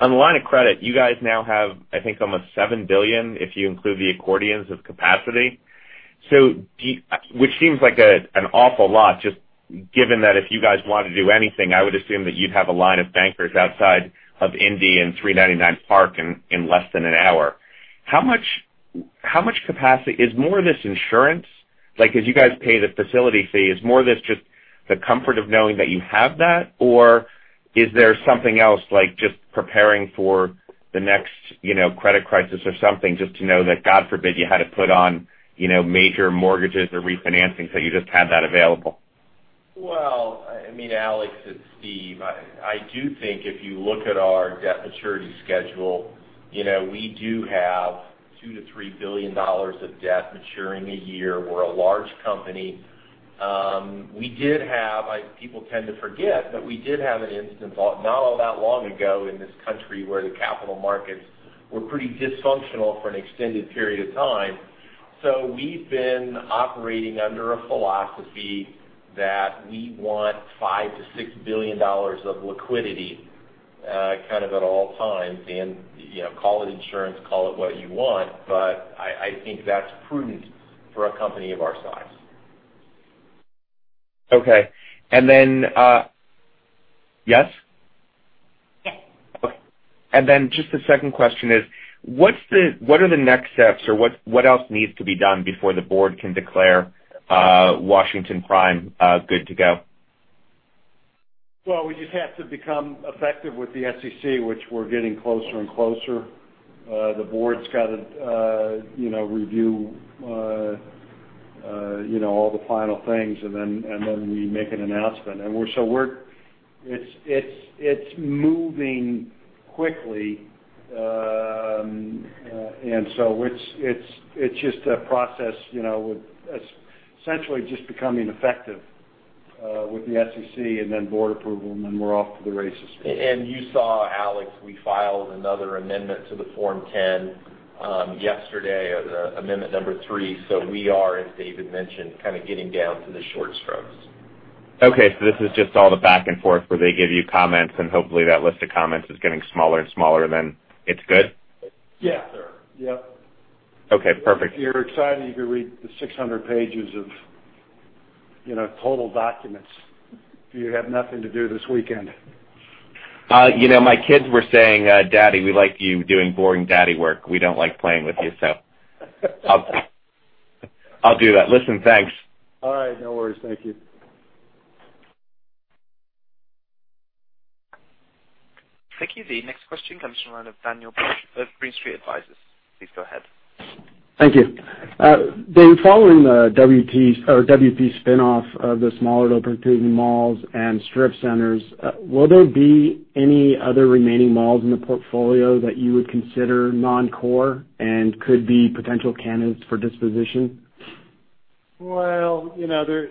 the line of credit, you guys now have, I think almost $7 billion if you include the accordions of capacity. Which seems like an awful lot, just given that if you guys want to do anything, I would assume that you'd have a line of bankers outside of Indy and 399 Park in less than an hour. Is more of this insurance? As you guys pay the facility fee, is more of this just the comfort of knowing that you have that? Or is there something else, like just preparing for the next credit crisis or something, just to know that, God forbid, you had to put on major mortgages or refinancing, so you just had that available? Alex, it's Steve. I do think if you look at our debt maturity schedule, we do have $2 billion to $3 billion of debt maturing a year. We're a large company. People tend to forget, but we did have an instance not all that long ago in this country where the capital markets were pretty dysfunctional for an extended period of time. We've been operating under a philosophy that we want $5 billion to $6 billion of liquidity at all times. Call it insurance, call it what you want, but I think that's prudent for a company of our size. Okay. Yes? Yes. Okay. Just the second question is, what are the next steps, or what else needs to be done before the board can declare Washington Prime good to go? We just have to become effective with the SEC, which we're getting closer and closer. The board's got to review all the final things, we make an announcement. It's moving quickly, it's just a process. Essentially, just becoming effective with the SEC, board approval, we're off to the races. You saw, Alex, we filed another amendment to the Form 10 yesterday, Amendment number three. We are, as David mentioned, getting down to the short strokes. Okay, this is just all the back and forth where they give you comments, hopefully that list of comments is getting smaller and smaller, then it's good? Yes, sir. Yep. Okay, perfect. If you're excited, you can read the 600 pages of total documents. If you have nothing to do this weekend. My kids were saying, "Daddy, we like you doing boring daddy work. We don't like playing with you." I'll do that. Listen, thanks. All right, no worries. Thank you. Thank you. The next question comes from the line of Daniel Busch of Green Street Advisors. Please go ahead. Thank you. David, following the WP spin-off of the smaller open-category malls and strip centers, will there be any other remaining malls in the portfolio that you would consider non-core and could be potential candidates for disposition? Well, we're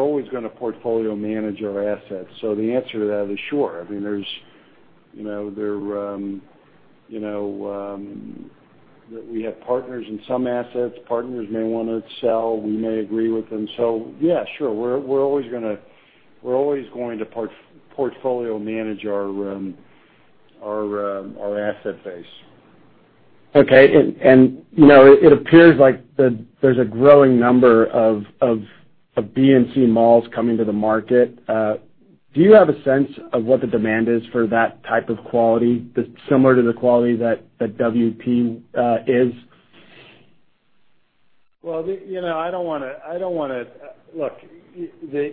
always going to portfolio manage our assets. The answer to that is sure. We have partners in some assets. Partners may want to sell, we may agree with them. Yeah, sure. We're always going to portfolio manage our asset base. Okay. It appears like there's a growing number of B and C malls coming to the market. Do you have a sense of what the demand is for that type of quality, similar to the quality that WP is? Well, I don't want to,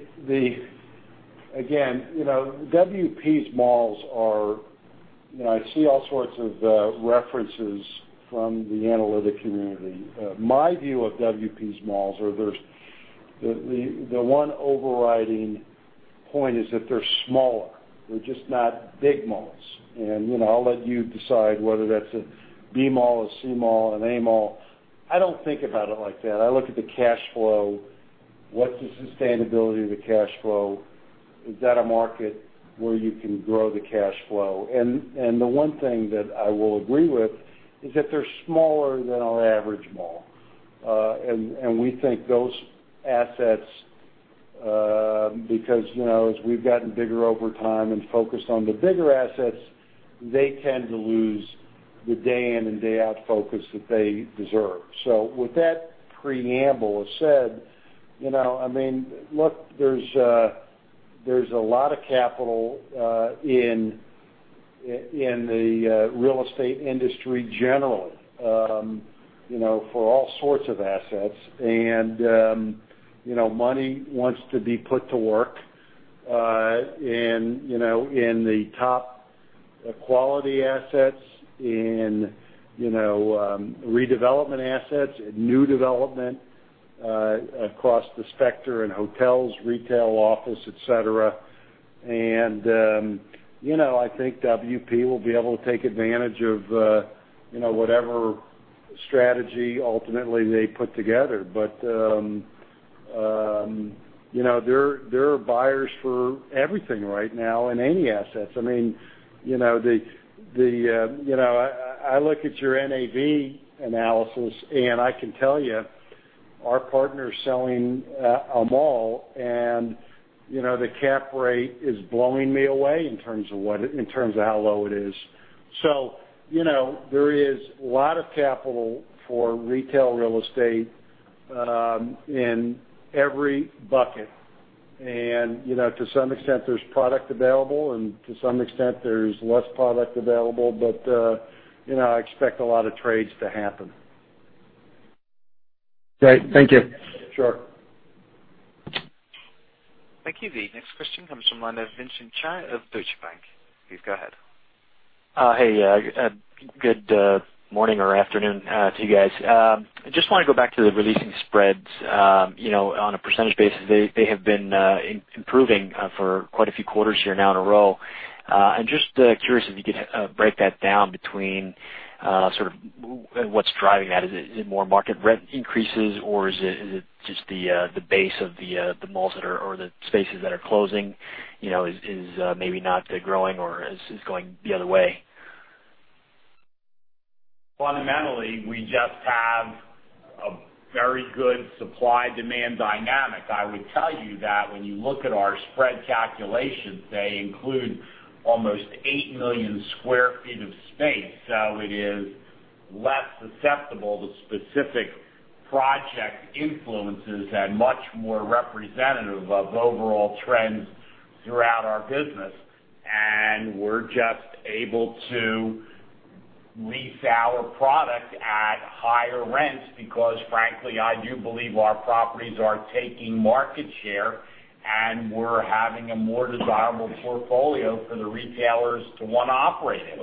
again, WP's malls are I see all sorts of references from the analytic community. My view of WP's malls, the one overriding point is that they're smaller. They're just not big malls. I'll let you decide whether that's a B mall, a C mall, an A mall. I don't think about it like that. I look at the cash flow, what's the sustainability of the cash flow? Is that a market where you can grow the cash flow? The one thing that I will agree with is that they're smaller than an average mall. We think those assets, because as we've gotten bigger over time and focused on the bigger assets, they tend to lose the day-in-and-day-out focus that they deserve. With that preamble said, look, there's a lot of capital in the real estate industry generally, for all sorts of assets. Money wants to be put to work in the top quality assets, in redevelopment assets, in new development across the spectrum, in hotels, retail, office, et cetera. I think WP will be able to take advantage of whatever strategy ultimately they put together. There are buyers for everything right now in any assets. I look at your NAV analysis, and I can tell you, our partner's selling a mall, and the cap rate is blowing me away in terms of how low it is. There is a lot of capital for retail real estate in every bucket. To some extent, there's product available, and to some extent, there's less product available. I expect a lot of trades to happen. Great. Thank you. Sure. Thank you. The next question comes from the line of Vince Tibone of Deutsche Bank. Please go ahead. Hey, good morning or afternoon to you guys. I just want to go back to the releasing spreads. On a percentage basis, they have been improving for quite a few quarters here now in a row. I'm just curious if you could break that down between sort of what's driving that. Is it more market rent increases, or is it just the base of the malls or the spaces that are closing, is maybe not growing or is going the other way? Fundamentally, we just have a very good supply-demand dynamic. I would tell you that when you look at our spread calculations, they include almost 8 million sq ft of space. It is less susceptible to specific project influences and much more representative of overall trends throughout our business. We're just able to lease our product at higher rents because frankly, I do believe our properties are taking market share, and we're having a more desirable portfolio for the retailers to want to operate in.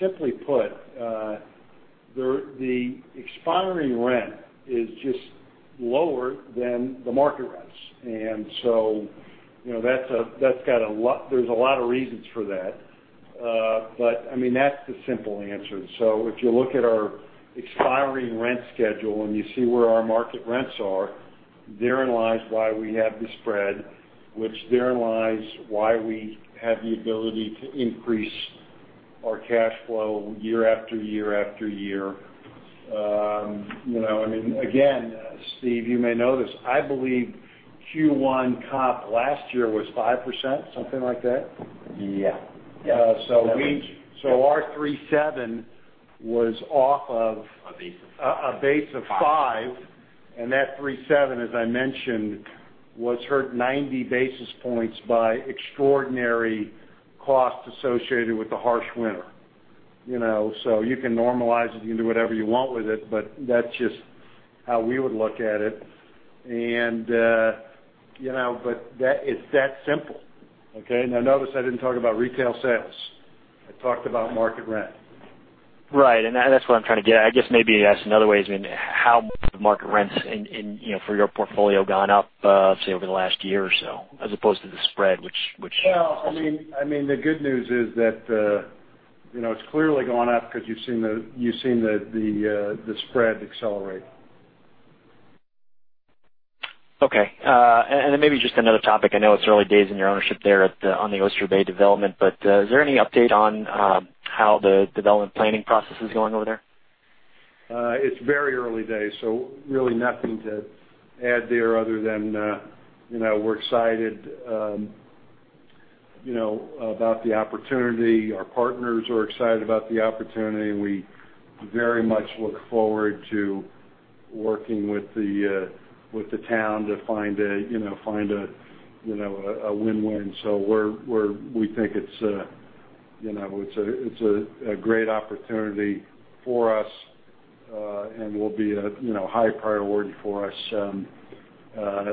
Simply put, the expiring rent is just lower than the market rents. There's a lot of reasons for that. That's the simple answer. If you look at our expiring rent schedule and you see where our market rents are, therein lies why we have the spread, which therein lies why we have the ability to increase our cash flow year after year after year. Again, Steve, you may know this. I believe Q1 comp last year was 5%, something like that. Yeah. Our 3.7 was off of. A base of five. a base of five, That 3.7, as I mentioned, was hurt 90 basis points by extraordinary costs associated with the harsh winter. You can normalize it, you can do whatever you want with it, but that's just how we would look at it. It's that simple, okay? Notice I didn't talk about retail sales. I talked about market rent. Right. That's what I'm trying to get at. I guess maybe ask another way is, how have market rents for your portfolio gone up, let's say, over the last year or so, as opposed to the spread. The good news is that it's clearly gone up because you've seen the spread accelerate. Okay. Then maybe just another topic. I know it's early days in your ownership there on the Oyster Bay development, but is there any update on how the development planning process is going over there? It's very early days, really nothing to add there other than we're excited about the opportunity. Our partners are excited about the opportunity, we very much look forward to working with the town to find a win-win. We think it's a great opportunity for us, and will be a high priority for us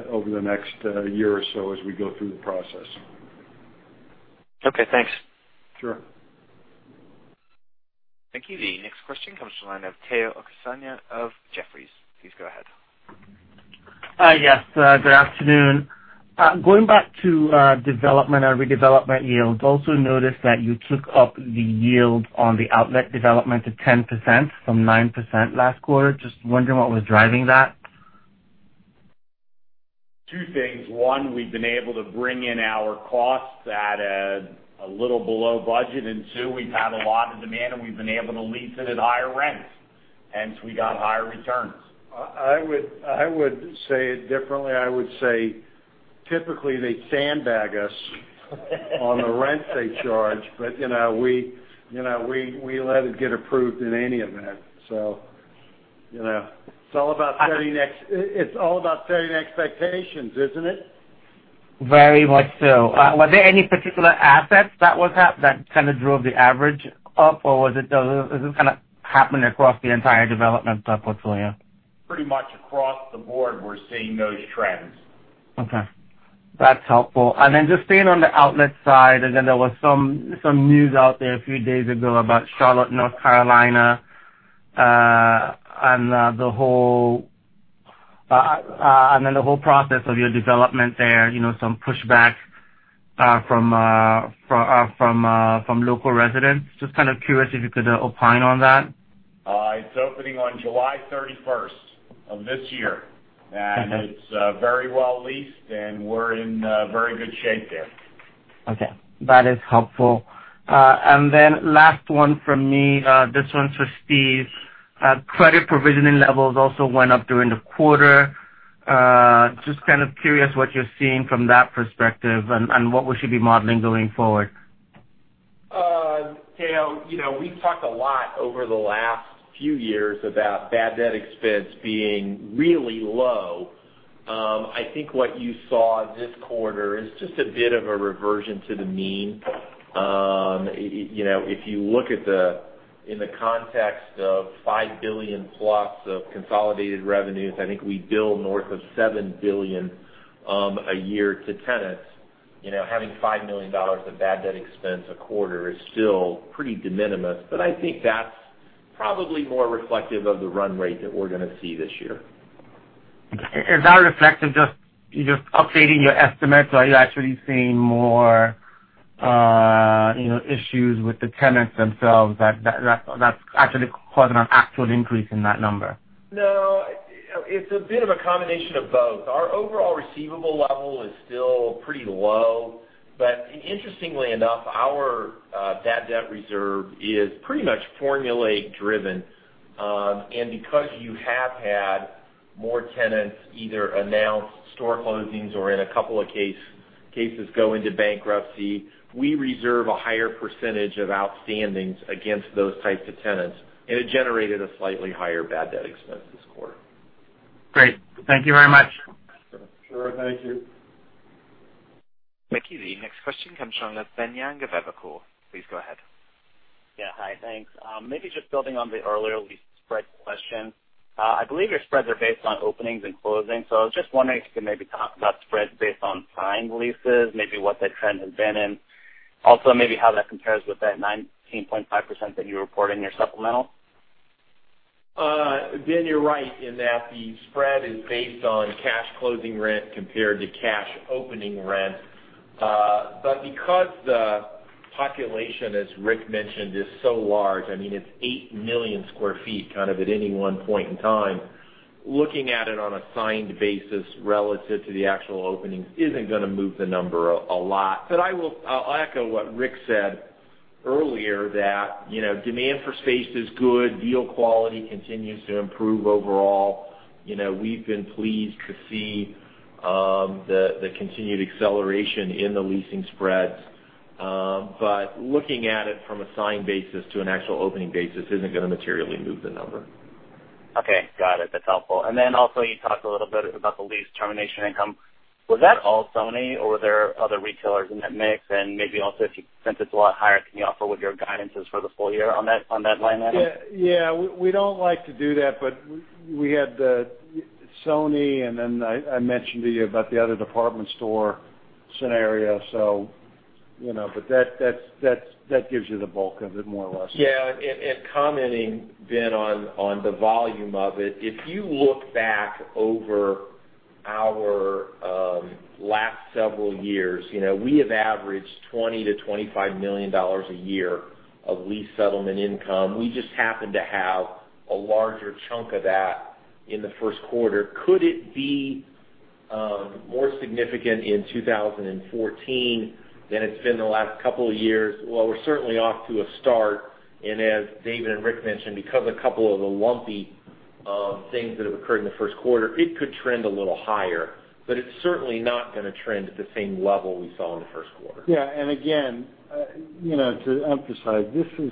over the next year or so as we go through the process. Okay, thanks. Sure. Thank you. The next question comes from the line of Omotayo Okusanya of Jefferies. Please go ahead. Hi. Yes. Good afternoon. Going back to development and redevelopment yields, also noticed that you took up the yields on the outlet development to 10% from 9% last quarter. Just wondering what was driving that. Two things. One, we've been able to bring in our costs at a little below budget, and two, we've had a lot of demand, and we've been able to lease it at higher rents. Hence, we got higher returns. I would say it differently. I would say, typically they sandbag us on the rents they charge. We let it get approved in any event. It's all about setting expectations, isn't it? Very much so. Were there any particular assets that kind of drove the average up, or is this kind of happening across the entire development portfolio? Pretty much across the board, we're seeing those trends. Okay. That's helpful. Just staying on the outlet side, there was some news out there a few days ago about Charlotte, North Carolina, the whole process of your development there, some pushback from local residents. Just kind of curious if you could opine on that. It's opening on July 31st of this year. Okay. It's very well leased, we're in very good shape there. Okay. That is helpful. Last one from me, this one's for Steve. Credit provisioning levels also went up during the quarter. Just kind of curious what you're seeing from that perspective, and what we should be modeling going forward. Teo, we've talked a lot over the last few years about bad debt expense being really low. I think what you saw this quarter is just a bit of a reversion to the mean. If you look in the context of $5 billion-plus of consolidated revenues, I think we bill north of $7 billion a year to tenants. Having $5 million of bad debt expense a quarter is still pretty de minimis. I think that's probably more reflective of the run rate that we're going to see this year. Is that reflective just updating your estimates, or are you actually seeing more issues with the tenants themselves that's actually causing an increase in that number? No. It's a bit of a combination of both. Our overall receivable level is still pretty low, but interestingly enough, our bad debt reserve is pretty much formulaic driven. Because you have had more tenants either announce store closings or in a couple of cases go into bankruptcy, we reserve a higher percentage of outstandings against those types of tenants, and it generated a slightly higher bad debt expense this quarter. Great. Thank you very much. Sure. Thank you. Thank you. The next question comes from Ben Yang of Evercore. Please go ahead. Yeah. Hi, thanks. Maybe just building on the earlier lease spread question. I believe your spreads are based on openings and closings, so I was just wondering if you could maybe talk about spreads based on signed leases, maybe what the trend has been, and also maybe how that compares with that 19.5% that you report in your supplemental. Ben, you're right in that the spread is based on cash closing rent compared to cash opening rent. Because the population, as Rick mentioned, is so large, I mean, it's 8 million sq ft, kind of at any one point in time. Looking at it on a signed basis relative to the actual openings isn't going to move the number a lot. I'll echo what Rick said earlier that demand for space is good. Deal quality continues to improve overall. We've been pleased to see the continued acceleration in the leasing spreads. Looking at it from a signed basis to an actual opening basis isn't going to materially move the number. Okay, got it. That's helpful. You talked a little bit about the lease termination income. Was that all Sony, or were there other retailers in that mix? Maybe also, since it's a lot higher, can you offer what your guidance is for the full year on that line item? Yeah. We don't like to do that, but we had Sony, and then I mentioned to you about the other department store scenario. That gives you the bulk of it, more or less. Yeah. Commenting, Ben, on the volume of it, if you look back over our last several years, we have averaged $20 million-$25 million a year of lease settlement income. We just happened to have a larger chunk of that in the first quarter. Could it be More significant in 2014 than it's been the last couple of years. Well, we're certainly off to a start, and as David and Rick mentioned, because a couple of the lumpy things that have occurred in the first quarter, it could trend a little higher, but it's certainly not going to trend at the same level we saw in the first quarter. Yeah. Again, to emphasize, this is.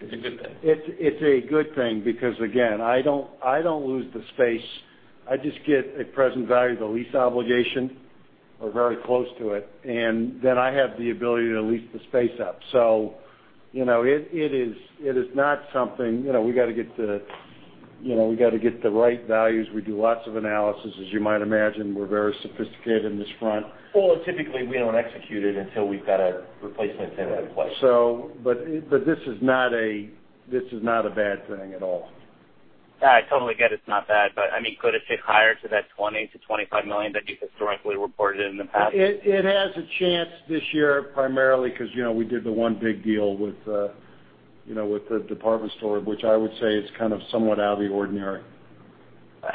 It's a good thing It's a good thing because, again, I don't lose the space. I just get a present value of the lease obligation, or very close to it, and then I have the ability to lease the space up. It is not something We got to get the right values. We do lots of analysis, as you might imagine. We're very sophisticated in this front. Well, typically, we don't execute it until we've got a replacement tenant in place. This is not a bad thing at all. Yeah, I totally get it's not bad, but could it sit higher to that $20 million-$25 million that you've historically reported in the past? It has a chance this year, primarily because we did the one big deal with the department store, which I would say is kind of somewhat out of the ordinary.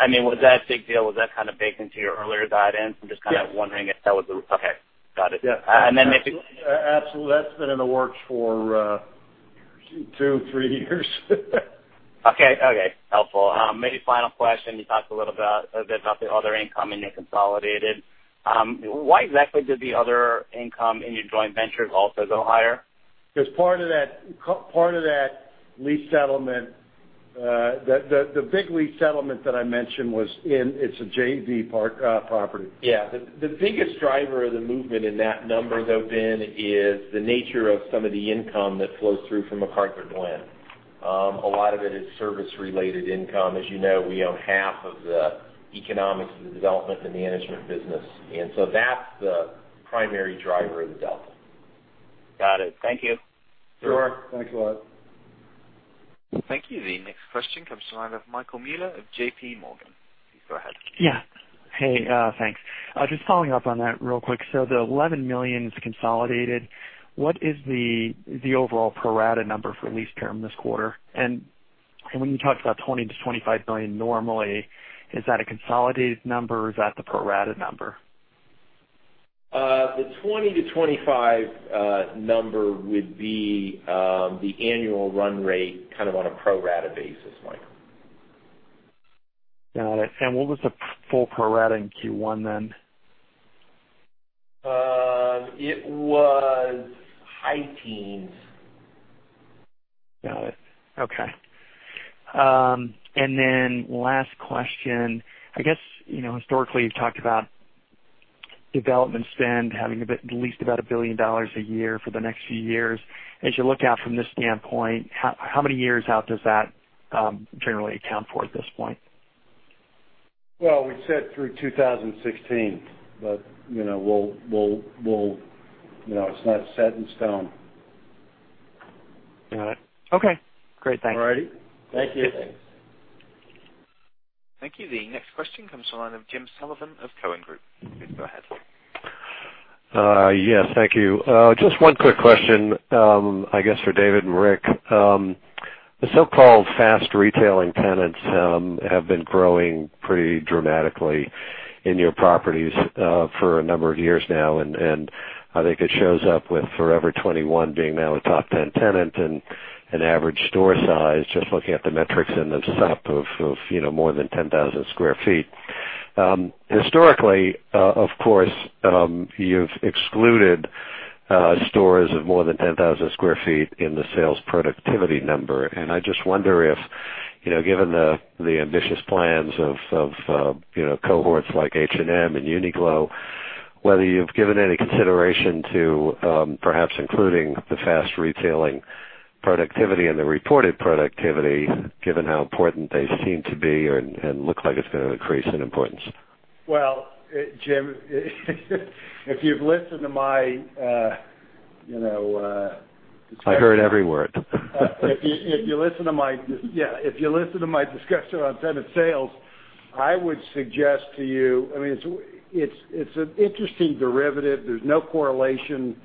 With that big deal, was that kind of baked into your earlier guidance? Yes. I'm just kind of wondering if that was Okay. Got it. Yeah. If you- Absolutely. That's been in the works for two, three years. Okay. Helpful. Maybe final question. You talked a little bit about the other income in your consolidated. Why exactly did the other income in your joint ventures also go higher? part of that lease settlement, the big lease settlement that I mentioned was in, it's a JV property. The biggest driver of the movement in that number, though, Ben, is the nature of some of the income that flows through from McArthurGlen. A lot of it is service-related income. As you know, we own half of the economics of the development and management business. That's the primary driver of the delta. Got it. Thank you. Sure. Thanks a lot. Thank you. The next question comes to line of Michael Mueller of JPMorgan. Please go ahead. Yeah. Hey, thanks. Just following up on that real quick. The $11 million is consolidated. What is the overall pro rata number for lease term this quarter? When you talked about $20 million-$25 million normally, is that a consolidated number or is that the pro rata number? The $20-$25 number would be the annual run rate on a pro rata basis, Michael. Got it. What was the full pro rata in Q1 then? It was high teens. Last question. I guess historically, you've talked about development spend having at least about $1 billion a year for the next few years. As you look out from this standpoint, how many years out does that generally account for at this point? Well, we said through 2016, but it's not set in stone. Got it. Okay, great. Thanks. All righty. Thank you. Thank you. The next question comes to the line of Jim Sullivan of Cowen Group. Please go ahead. Yes, thank you. Just one quick question, I guess, for David and Rick. The so-called fast retailing tenants have been growing pretty dramatically in your properties for a number of years now, I think it shows up with Forever 21 being now a top 10 tenant and average store size, just looking at the metrics in the supplemental of more than 10,000 sq ft. Historically, of course, you've excluded stores of more than 10,000 sq ft in the sales productivity number. I just wonder if, given the ambitious plans of cohorts like H&M and Uniqlo, whether you've given any consideration to perhaps including the fast retailing productivity and the reported productivity, given how important they seem to be and look like it's going to increase in importance. Well, Jim, if you've listened to. I heard every word. If you listen to my discussion on tenant sales, I would suggest to you, it's an interesting derivative. There's no correlation,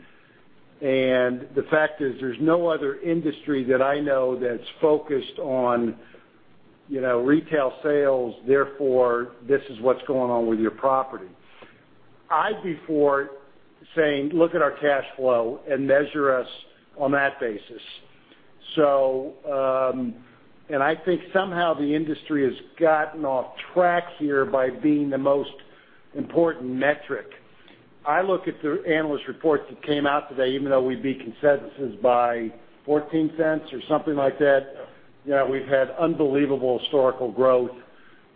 the fact is, there's no other industry that I know that's focused on retail sales, therefore, this is what's going on with your property. I'd be for saying, look at our cash flow and measure us on that basis. I think somehow the industry has gotten off track here by being the most important metric. I look at the analyst reports that came out today, even though we beat consensuses by $0.14 or something like that. We've had unbelievable historical growth.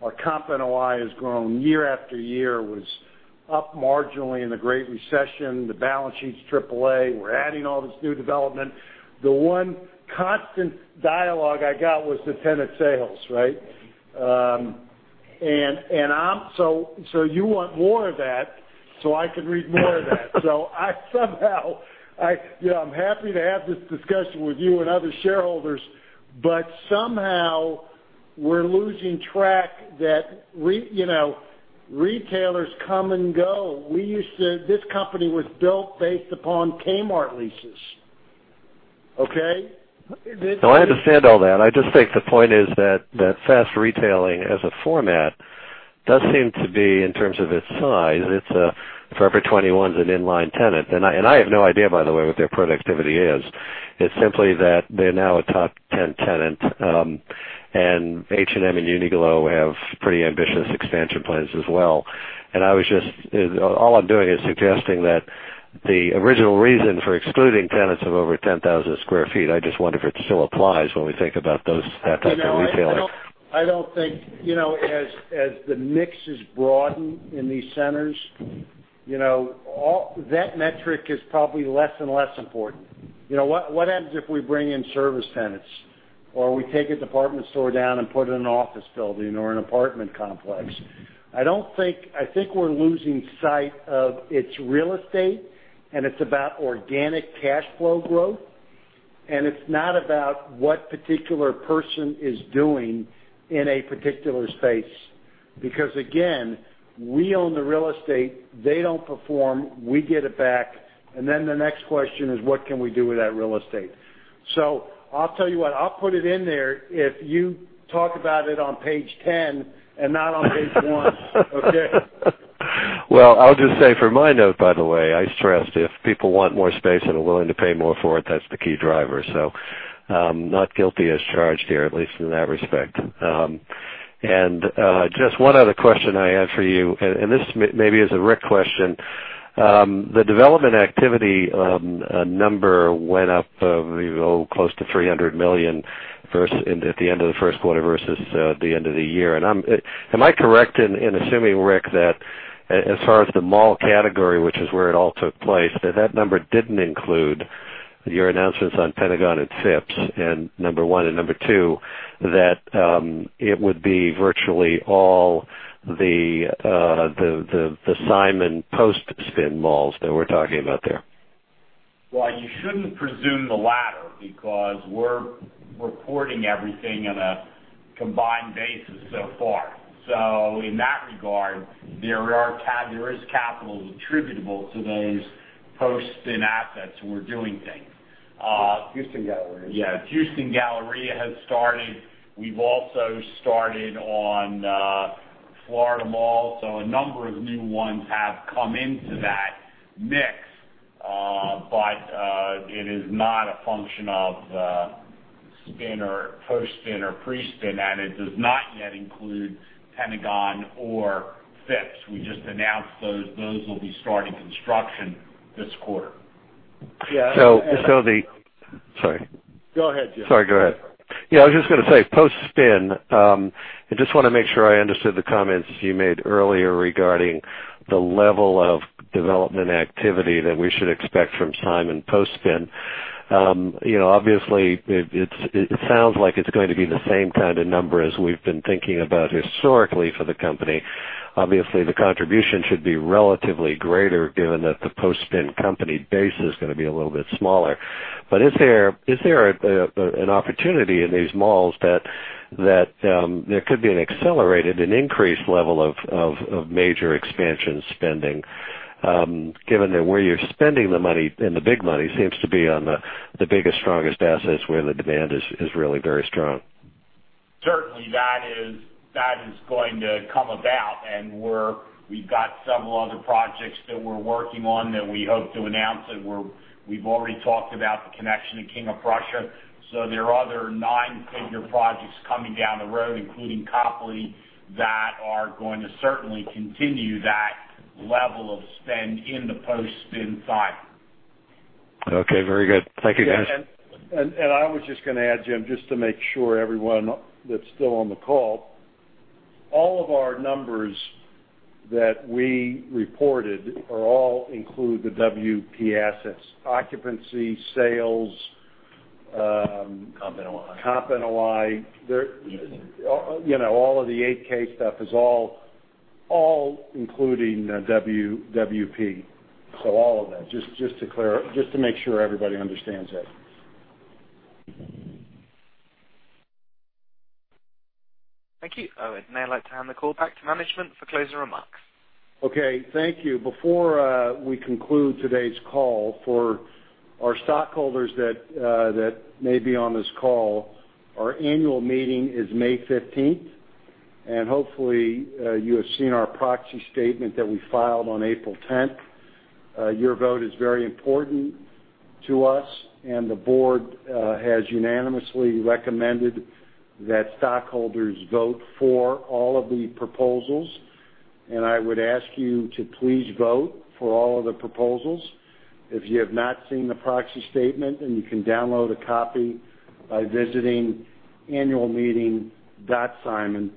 Our comp NOI has grown year after year. Was up marginally in the Great Recession. The balance sheet's AAA. We're adding all this new development. The one constant dialogue I got was the tenant sales, right? You want more of that, so I can read more of that. I somehow, I'm happy to have this discussion with you and other shareholders, somehow we're losing track that retailers come and go. This company was built based upon Kmart leases. Okay. No, I understand all that. I just think the point is that fast retailing as a format does seem to be, in terms of its size, if Forever 21 is an in-line tenant, and I have no idea, by the way, what their productivity is, it's simply that they're now a top 10 tenant. H&M and Uniqlo have pretty ambitious expansion plans as well. All I'm doing is suggesting that the original reason for excluding tenants of over 10,000 sq ft, I just wonder if it still applies when we think about those, that type of retailing. As the mix is broadened in these centers, that metric is probably less and less important. What happens if we bring in service tenants or we take a department store down and put in an office building or an apartment complex? I think we're losing sight of its real estate, it's about organic cash flow growth, it's not about what particular person is doing in a particular space. Again, we own the real estate. They don't perform, we get it back, the next question is, what can we do with that real estate? I'll tell you what, I'll put it in there if you talk about it on page 10 and not on page one. Okay? Well, I'll just say for my note, by the way, I stressed if people want more space and are willing to pay more for it, that's the key driver. Not guilty as charged here, at least in that respect. Just one other question I had for you, and this maybe is a Rick question. The development activity number went up close to $300 million at the end of the first quarter versus the end of the year. Am I correct in assuming, Rick, that as far as the mall category, which is where it all took place, that that number didn't include your announcements on Pentagon and Phipps, number one, and number two, that it would be virtually all the Simon post-spin malls that we're talking about there? Well, you shouldn't presume the latter, because we're reporting everything on a combined basis so far. In that regard, there is capital attributable to those post-spin assets where we're doing things. Houston Galleria. Yeah, Houston Galleria has started. We've also started on Florida Mall. A number of new ones have come into that mix. It is not a function of spin or post-spin or pre-spin, and it does not yet include Pentagon or Phipps. We just announced those. Those will be starting construction this quarter. Yeah. Sorry. Go ahead, Jim. Sorry, go ahead. Yeah, I was just going to say, post-spin, I just want to make sure I understood the comments you made earlier regarding the level of development activity that we should expect from Simon post-spin. Obviously, it sounds like it's going to be the same kind of number as we've been thinking about historically for the company. Obviously, the contribution should be relatively greater, given that the post-spin company base is going to be a little bit smaller. Is there an opportunity in these malls that there could be an accelerated, an increased level of major expansion spending, given that where you're spending the money, and the big money, seems to be on the biggest, strongest assets where the demand is really very strong? Certainly, that is going to come about, and we've got several other projects that we're working on that we hope to announce, and we've already talked about the connection to King of Prussia. There are other nine-figure projects coming down the road, including Copley, that are going to certainly continue that level of spend in the post-spin Simon. Okay, very good. Thank you, guys. I was just going to add, Jim, just to make sure everyone that's still on the call, all of our numbers that we reported all include the WP assets, occupancy, sales- comp NOI comp and ally. All of the 8-K stuff is all including WP. All of that, just to make sure everybody understands that. Thank you. I would now like to hand the call back to management for closing remarks. Okay, thank you. Before we conclude today's call, for our stockholders that may be on this call, our annual meeting is May 15th, and hopefully you have seen our proxy statement that we filed on April 10th. Your vote is very important to us, and the board has unanimously recommended that stockholders vote for all of the proposals, and I would ask you to please vote for all of the proposals. If you have not seen the proxy statement, then you can download a copy by visiting annualmeeting.simon.com.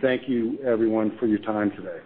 Thank you, everyone, for your time today.